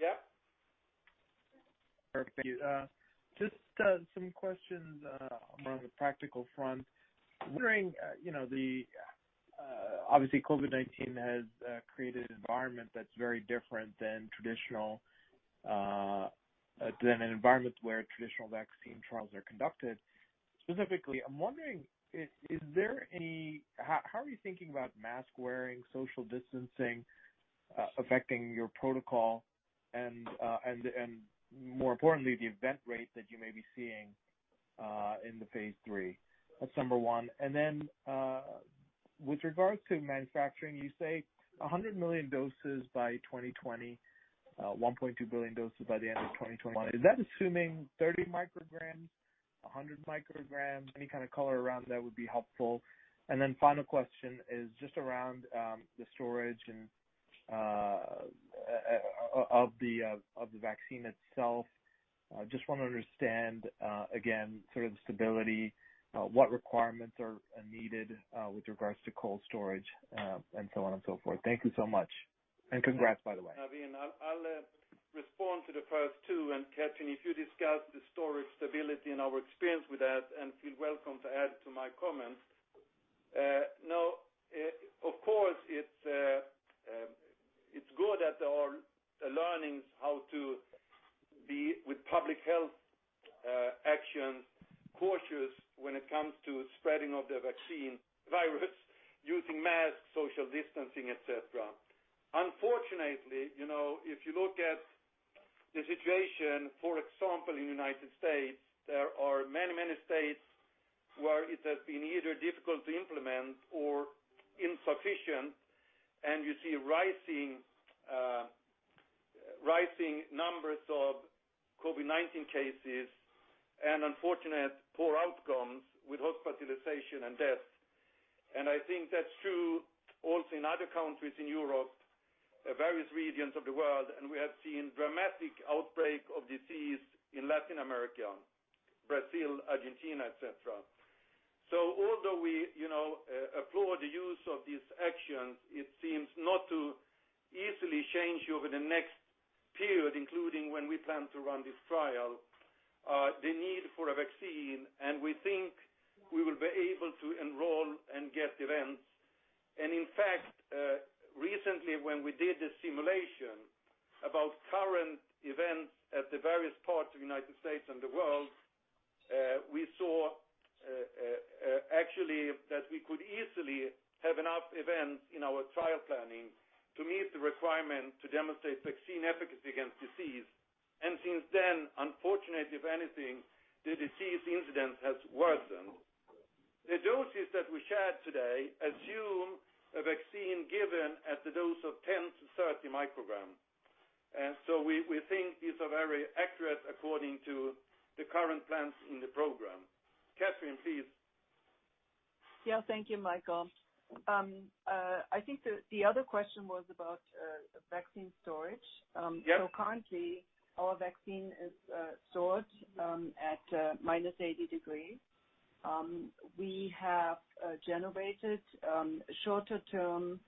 Yeah. Perfect. Just some questions around the practical front. I'm wondering, obviously COVID-19 has created an environment that's very different than an environment where traditional vaccine trials are conducted. Specifically, I'm wondering, how are you thinking about mask wearing, social distancing affecting your protocol and more importantly, the event rate that you may be seeing in the phase III? That's number one. With regards to manufacturing, you say 100 million doses by 2020, 1.2 billion doses by the end of 2021. Is that assuming 30 micrograms, 100 micrograms? Any kind of color around that would be helpful. Final question is just around the storage of the vaccine itself. Just want to understand, again, sort of the stability, what requirements are needed with regards to cold storage, and so on and so forth. Thank you so much. Congrats, by the way. Navin, I'll respond to the first two, and Kathrin, if you discuss the storage stability and our experience with that, and feel welcome to add to my comments. Of course, it's good that there are learnings how to be, with public health actions, cautious when it comes to spreading of the vaccine virus using masks, social distancing, et cetera. Unfortunately, if you look at the situation, for example, in the U.S., there are many states where it has been either difficult to implement or insufficient, and you see rising numbers of COVID-19 cases and unfortunate poor outcomes with hospitalization and deaths. I think that's true also in other countries in Europe, various regions of the world, and we have seen dramatic outbreak of disease in Latin America, Brazil, Argentina, et cetera. Although we applaud the use of these actions, it seems not to easily change over the next period, including when we plan to run this trial. The need for a vaccine, and we think we will be able to enroll and get events. In fact, recently, when we did a simulation about current events at the various parts of the United States and the world, we saw actually that we could easily have enough events in our trial planning to meet the requirement to demonstrate vaccine efficacy against disease. Since then, unfortunately, if anything, the disease incidence has worsened. The doses that we shared today assume a vaccine given at the dose of 10 micrograms-30 micrograms. We think these are very accurate according to the current plans in the program. Kathrin, please. Yeah. Thank you, Mikael. I think the other question was about vaccine storage. Yes. Currently, our vaccine is stored at minus 80 degrees. We have generated shorter-term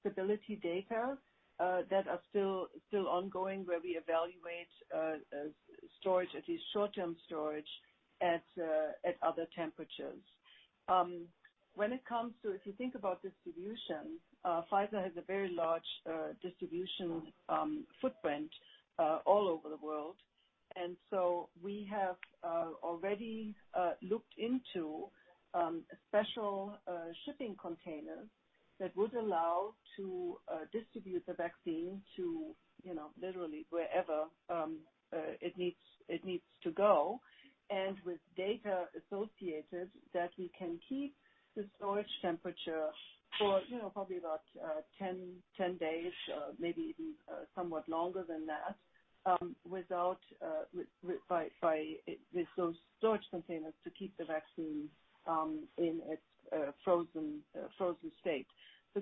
stability data that are still ongoing, where we evaluate storage, at least short-term storage, at other temperatures. If you think about distribution, Pfizer has a very large distribution footprint all over the world, and so we have already looked into special shipping containers that would allow to distribute the vaccine to literally wherever it needs to go, and with data associated that we can keep the storage temperature for probably about 10 days, maybe even somewhat longer than that, with those storage containers to keep the vaccine in its frozen state.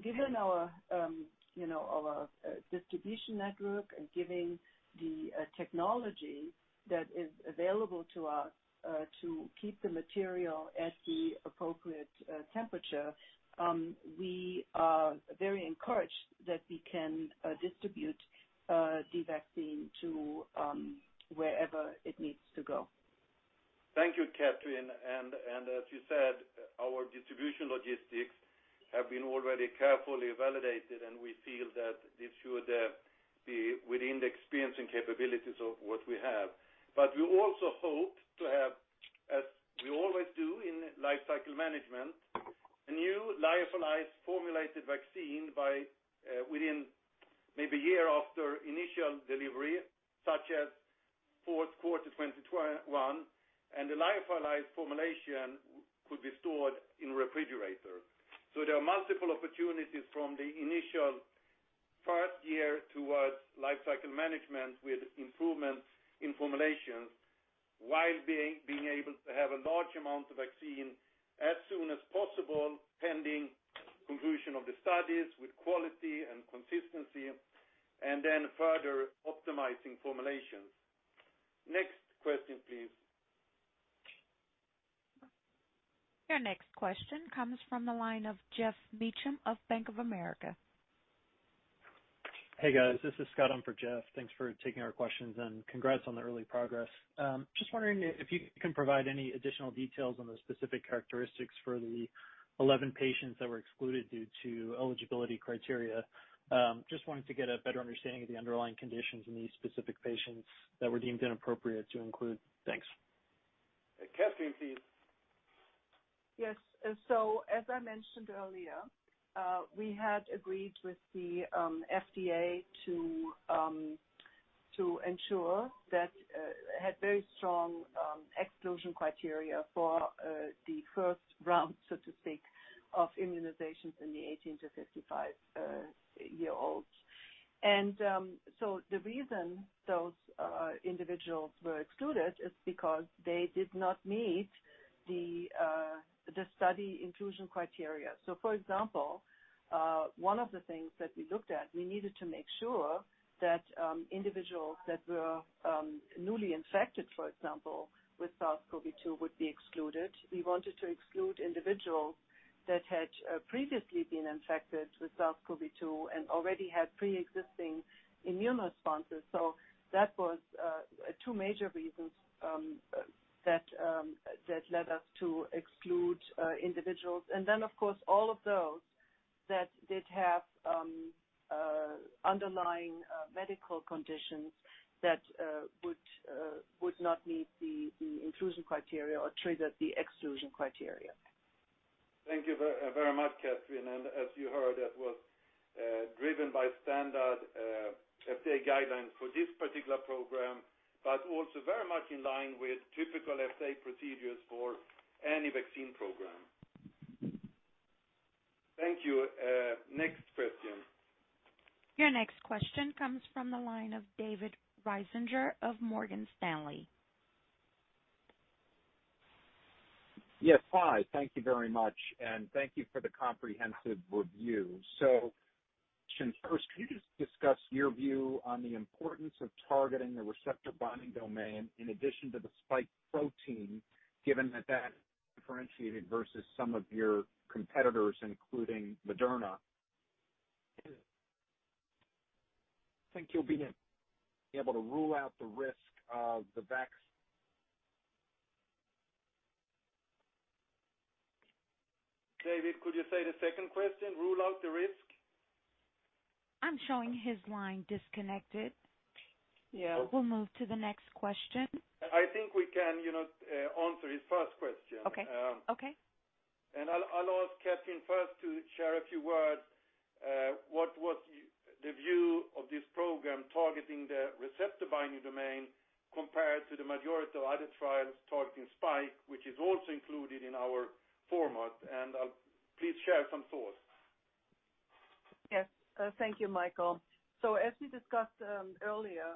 Given our distribution network and given the technology that is available to us to keep the material at the appropriate temperature, we are very encouraged that we can distribute the vaccine to wherever it needs to go. Thank you, Kathrin. As you said, our distribution logistics have been already carefully validated, and we feel that this should be within the experience and capabilities of what we have. We also hope to have, as we always do in life cycle management, a new lyophilized formulated vaccine within maybe a year after initial delivery, such as fourth quarter 2021. The lyophilized formulation could be stored in refrigerators. There are multiple opportunities from the initial first year towards life cycle management with improvements in formulations while being able to have a large amount of vaccine as soon as possible, pending conclusion of the studies with quality and consistency, and then further optimizing formulations. Next question, please. Your next question comes from the line of Geoff Meacham of Bank of America. Hey, guys. This is Scott on for Geoff. Thanks for taking our questions, and congrats on the early progress. Just wondering if you can provide any additional details on the specific characteristics for the 11 patients that were excluded due to eligibility criteria. Just wanted to get a better understanding of the underlying conditions in these specific patients that were deemed inappropriate to include. Thanks. Kathrin, please. Yes. As I mentioned earlier, we had agreed with the FDA to ensure that it had very strong exclusion criteria for the first round, so to speak, of immunizations in the 18 to 55-year-olds. The reason those individuals were excluded is because they did not meet the study inclusion criteria. For example, one of the things that we looked at, we needed to make sure that individuals that were newly infected, for example, with SARS-CoV-2 would be excluded. We wanted to exclude individuals that had previously been infected with SARS-CoV-2 and already had preexisting immune responses. That was two major reasons that led us to exclude individuals. Of course, all of those that did have underlying medical conditions that would not meet the inclusion criteria or triggered the exclusion criteria. Thank you very much, Kathrin. As you heard, that was driven by standard FDA guidelines for this particular program, but also very much in line with typical assay procedures for any vaccine program. Thank you. Next question. Your next question comes from the line of David Risinger of Morgan Stanley. Yes. Hi. Thank you very much, and thank you for the comprehensive review. First, can you just discuss your view on the importance of targeting the receptor-binding domain in addition to the spike protein, given that differentiated versus some of your competitors, including Moderna? Think you'll be able to rule out the risk of the vac-? David, could you say the second question, rule out the risk? I'm showing his line disconnected. Yeah. We'll move to the next question. I think we can answer his first question. Okay. I'll ask Kathrin first to share a few words. What was the view of this program targeting the receptor-binding domain compared to the majority of other trials targeting spike, which is also included in our format. Please share some thoughts. Yes. Thank you, Mikael. As we discussed earlier,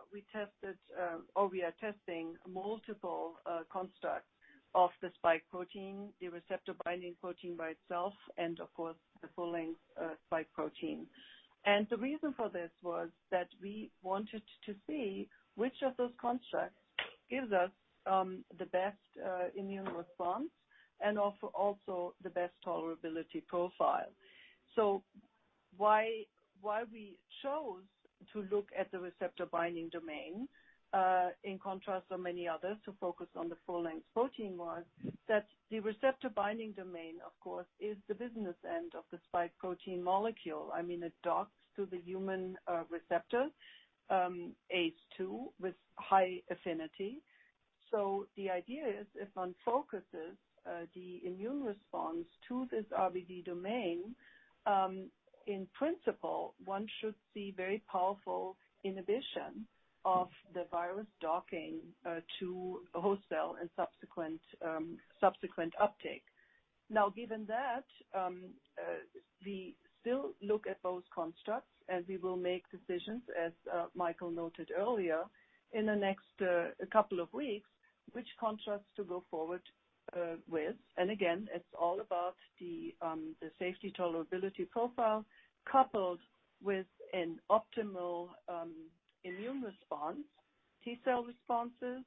we are testing multiple constructs of the spike protein, the receptor binding protein by itself, and of course, the full-length spike protein. The reason for this was that we wanted to see which of those constructs gives us the best immune response and also the best tolerability profile. Why we chose to look at the receptor binding domain, in contrast to many others who focus on the full-length protein, was that the receptor binding domain, of course, is the business end of the spike protein molecule. I mean, it docks to the human receptor, ACE2, with high affinity. The idea is, if one focuses the immune response to this RBD domain, in principle, one should see very powerful inhibition of the virus docking to a host cell and subsequent uptake. Given that, we still look at those constructs, we will make decisions, as Mikael noted earlier, in the next couple of weeks, which constructs to go forward with. Again, it's all about the safety tolerability profile coupled with an optimal immune response, T-cell responses,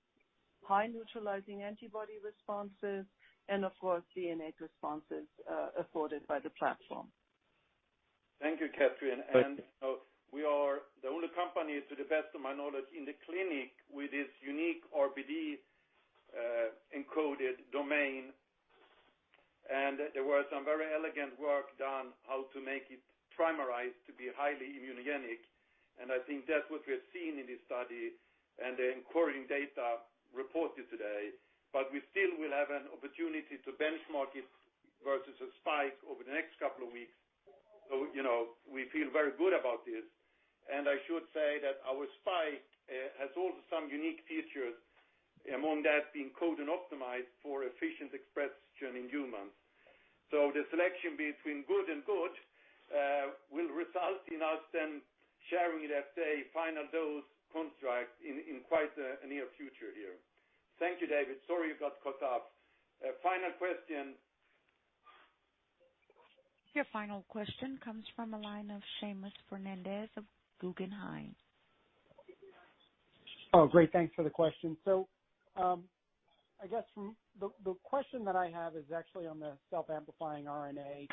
high neutralizing antibody responses, and of course, DNA responses afforded by the platform. Thank you, Kathrin. Thank you. We are the only company, to the best of my knowledge, in the clinic with this unique RBD encoded domain. There was some very elegant work done how to make it trimerize to be highly immunogenic, and I think that's what we're seeing in this study and the inquiring data reported today. We still will have an opportunity to benchmark it versus a spike over the next couple of weeks. We feel very good about this. I should say that our spike has also some unique features, among that being codon optimized for efficient expression in humans. The selection between good and good will result in us then sharing it at a final dose construct in quite a near future here. Thank you, David. Sorry you got cut off. Final question. Your final question comes from the line of Seamus Fernandez of Guggenheim. Great. Thanks for the question. I guess the question that I have is actually on the self-amplifying RNA.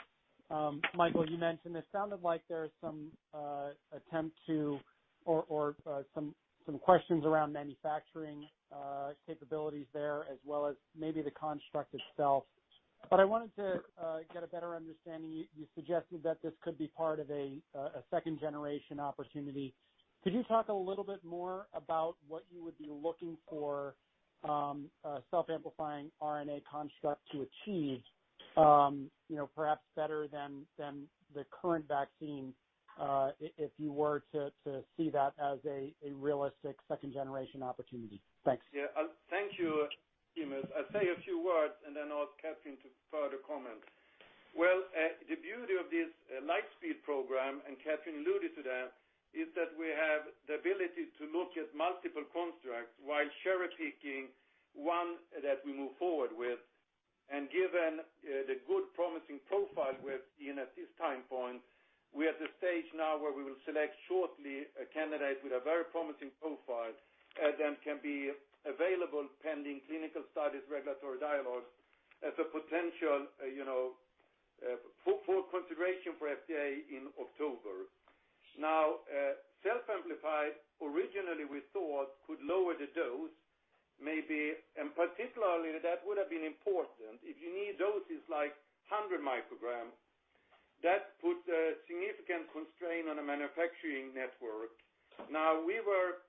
Mikael, you mentioned it sounded like there's some questions around manufacturing capabilities there, as well as maybe the construct itself. I wanted to get a better understanding. You suggested that this could be part of a second-generation opportunity. Could you talk a little bit more about what you would be looking for a self-amplifying RNA construct to achieve perhaps better than the current vaccine if you were to see that as a realistic second-generation opportunity? Thanks. Yeah. Thank you, Seamus. I'll say a few words and then ask Kathrin to further comment. Well, the beauty of this Lightspeed program, and Kathrin alluded to that, is that we have the ability to look at multiple constructs while cherry-picking one that we move forward with. Given the good promising profile we've seen at this time point, we're at the stage now where we will select shortly a candidate with a very promising profile that then can be available pending clinical studies, regulatory dialogue as a potential for consideration for FDA in October. Now, self-amplified, originally we thought could lower the dose, maybe, and particularly that would have been important. If you need doses like 100 micrograms, that puts a significant constraint on a manufacturing network. We were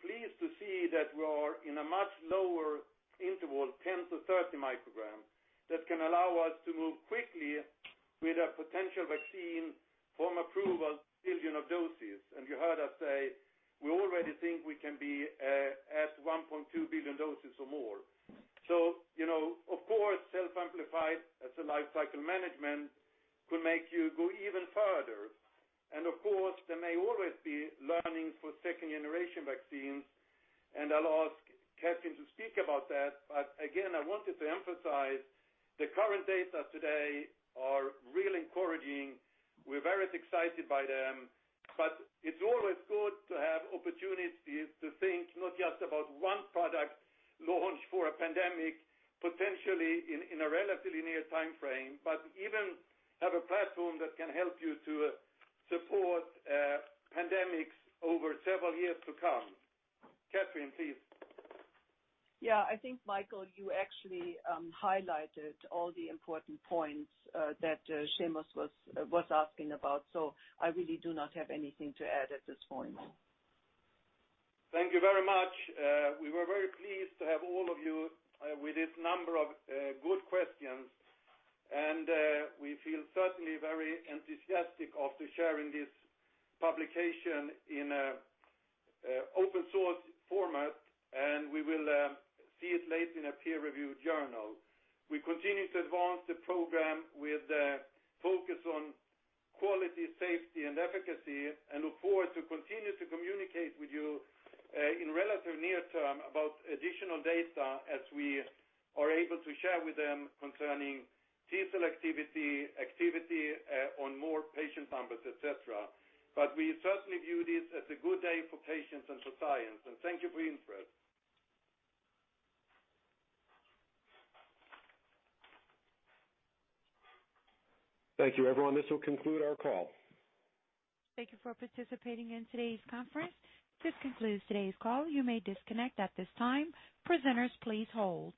pleased to see that we are in a much lower interval, 10 to 30 micrograms, that can allow us to move quickly with a potential vaccine from approval billion of doses. You heard us say we already think we can be at 1.2 billion doses or more. Of course, self-amplified as a life cycle management could make you go even further. Of course, there may always be learnings for second-generation vaccines, and I'll ask Kathrin to speak about that. Again, I wanted to emphasize the current data today are really encouraging. We're very excited by them. It's always good to have opportunities to think not just about one product launch for a pandemic, potentially in a relatively near timeframe, but even have a platform that can help you to support pandemics over several years to come. Kathrin, please. Yeah. I think, Mikael, you actually highlighted all the important points that Seamus was asking about. I really do not have anything to add at this point. Thank you very much. We were very pleased to have all of you with this number of good questions. We feel certainly very enthusiastic after sharing this publication in an open source format, and we will see it later in a peer-reviewed journal. We continue to advance the program with a focus on quality, safety, and efficacy. Look forward to continue to communicate with you in relatively near term about additional data as we are able to share with them concerning T-cell activity on more patient numbers, et cetera. We certainly view this as a good day for patients and for science, and thank you for your interest. Thank you, everyone. This will conclude our call. Thank you for participating in today's conference. This concludes today's call. You may disconnect at this time. Presenters, please hold.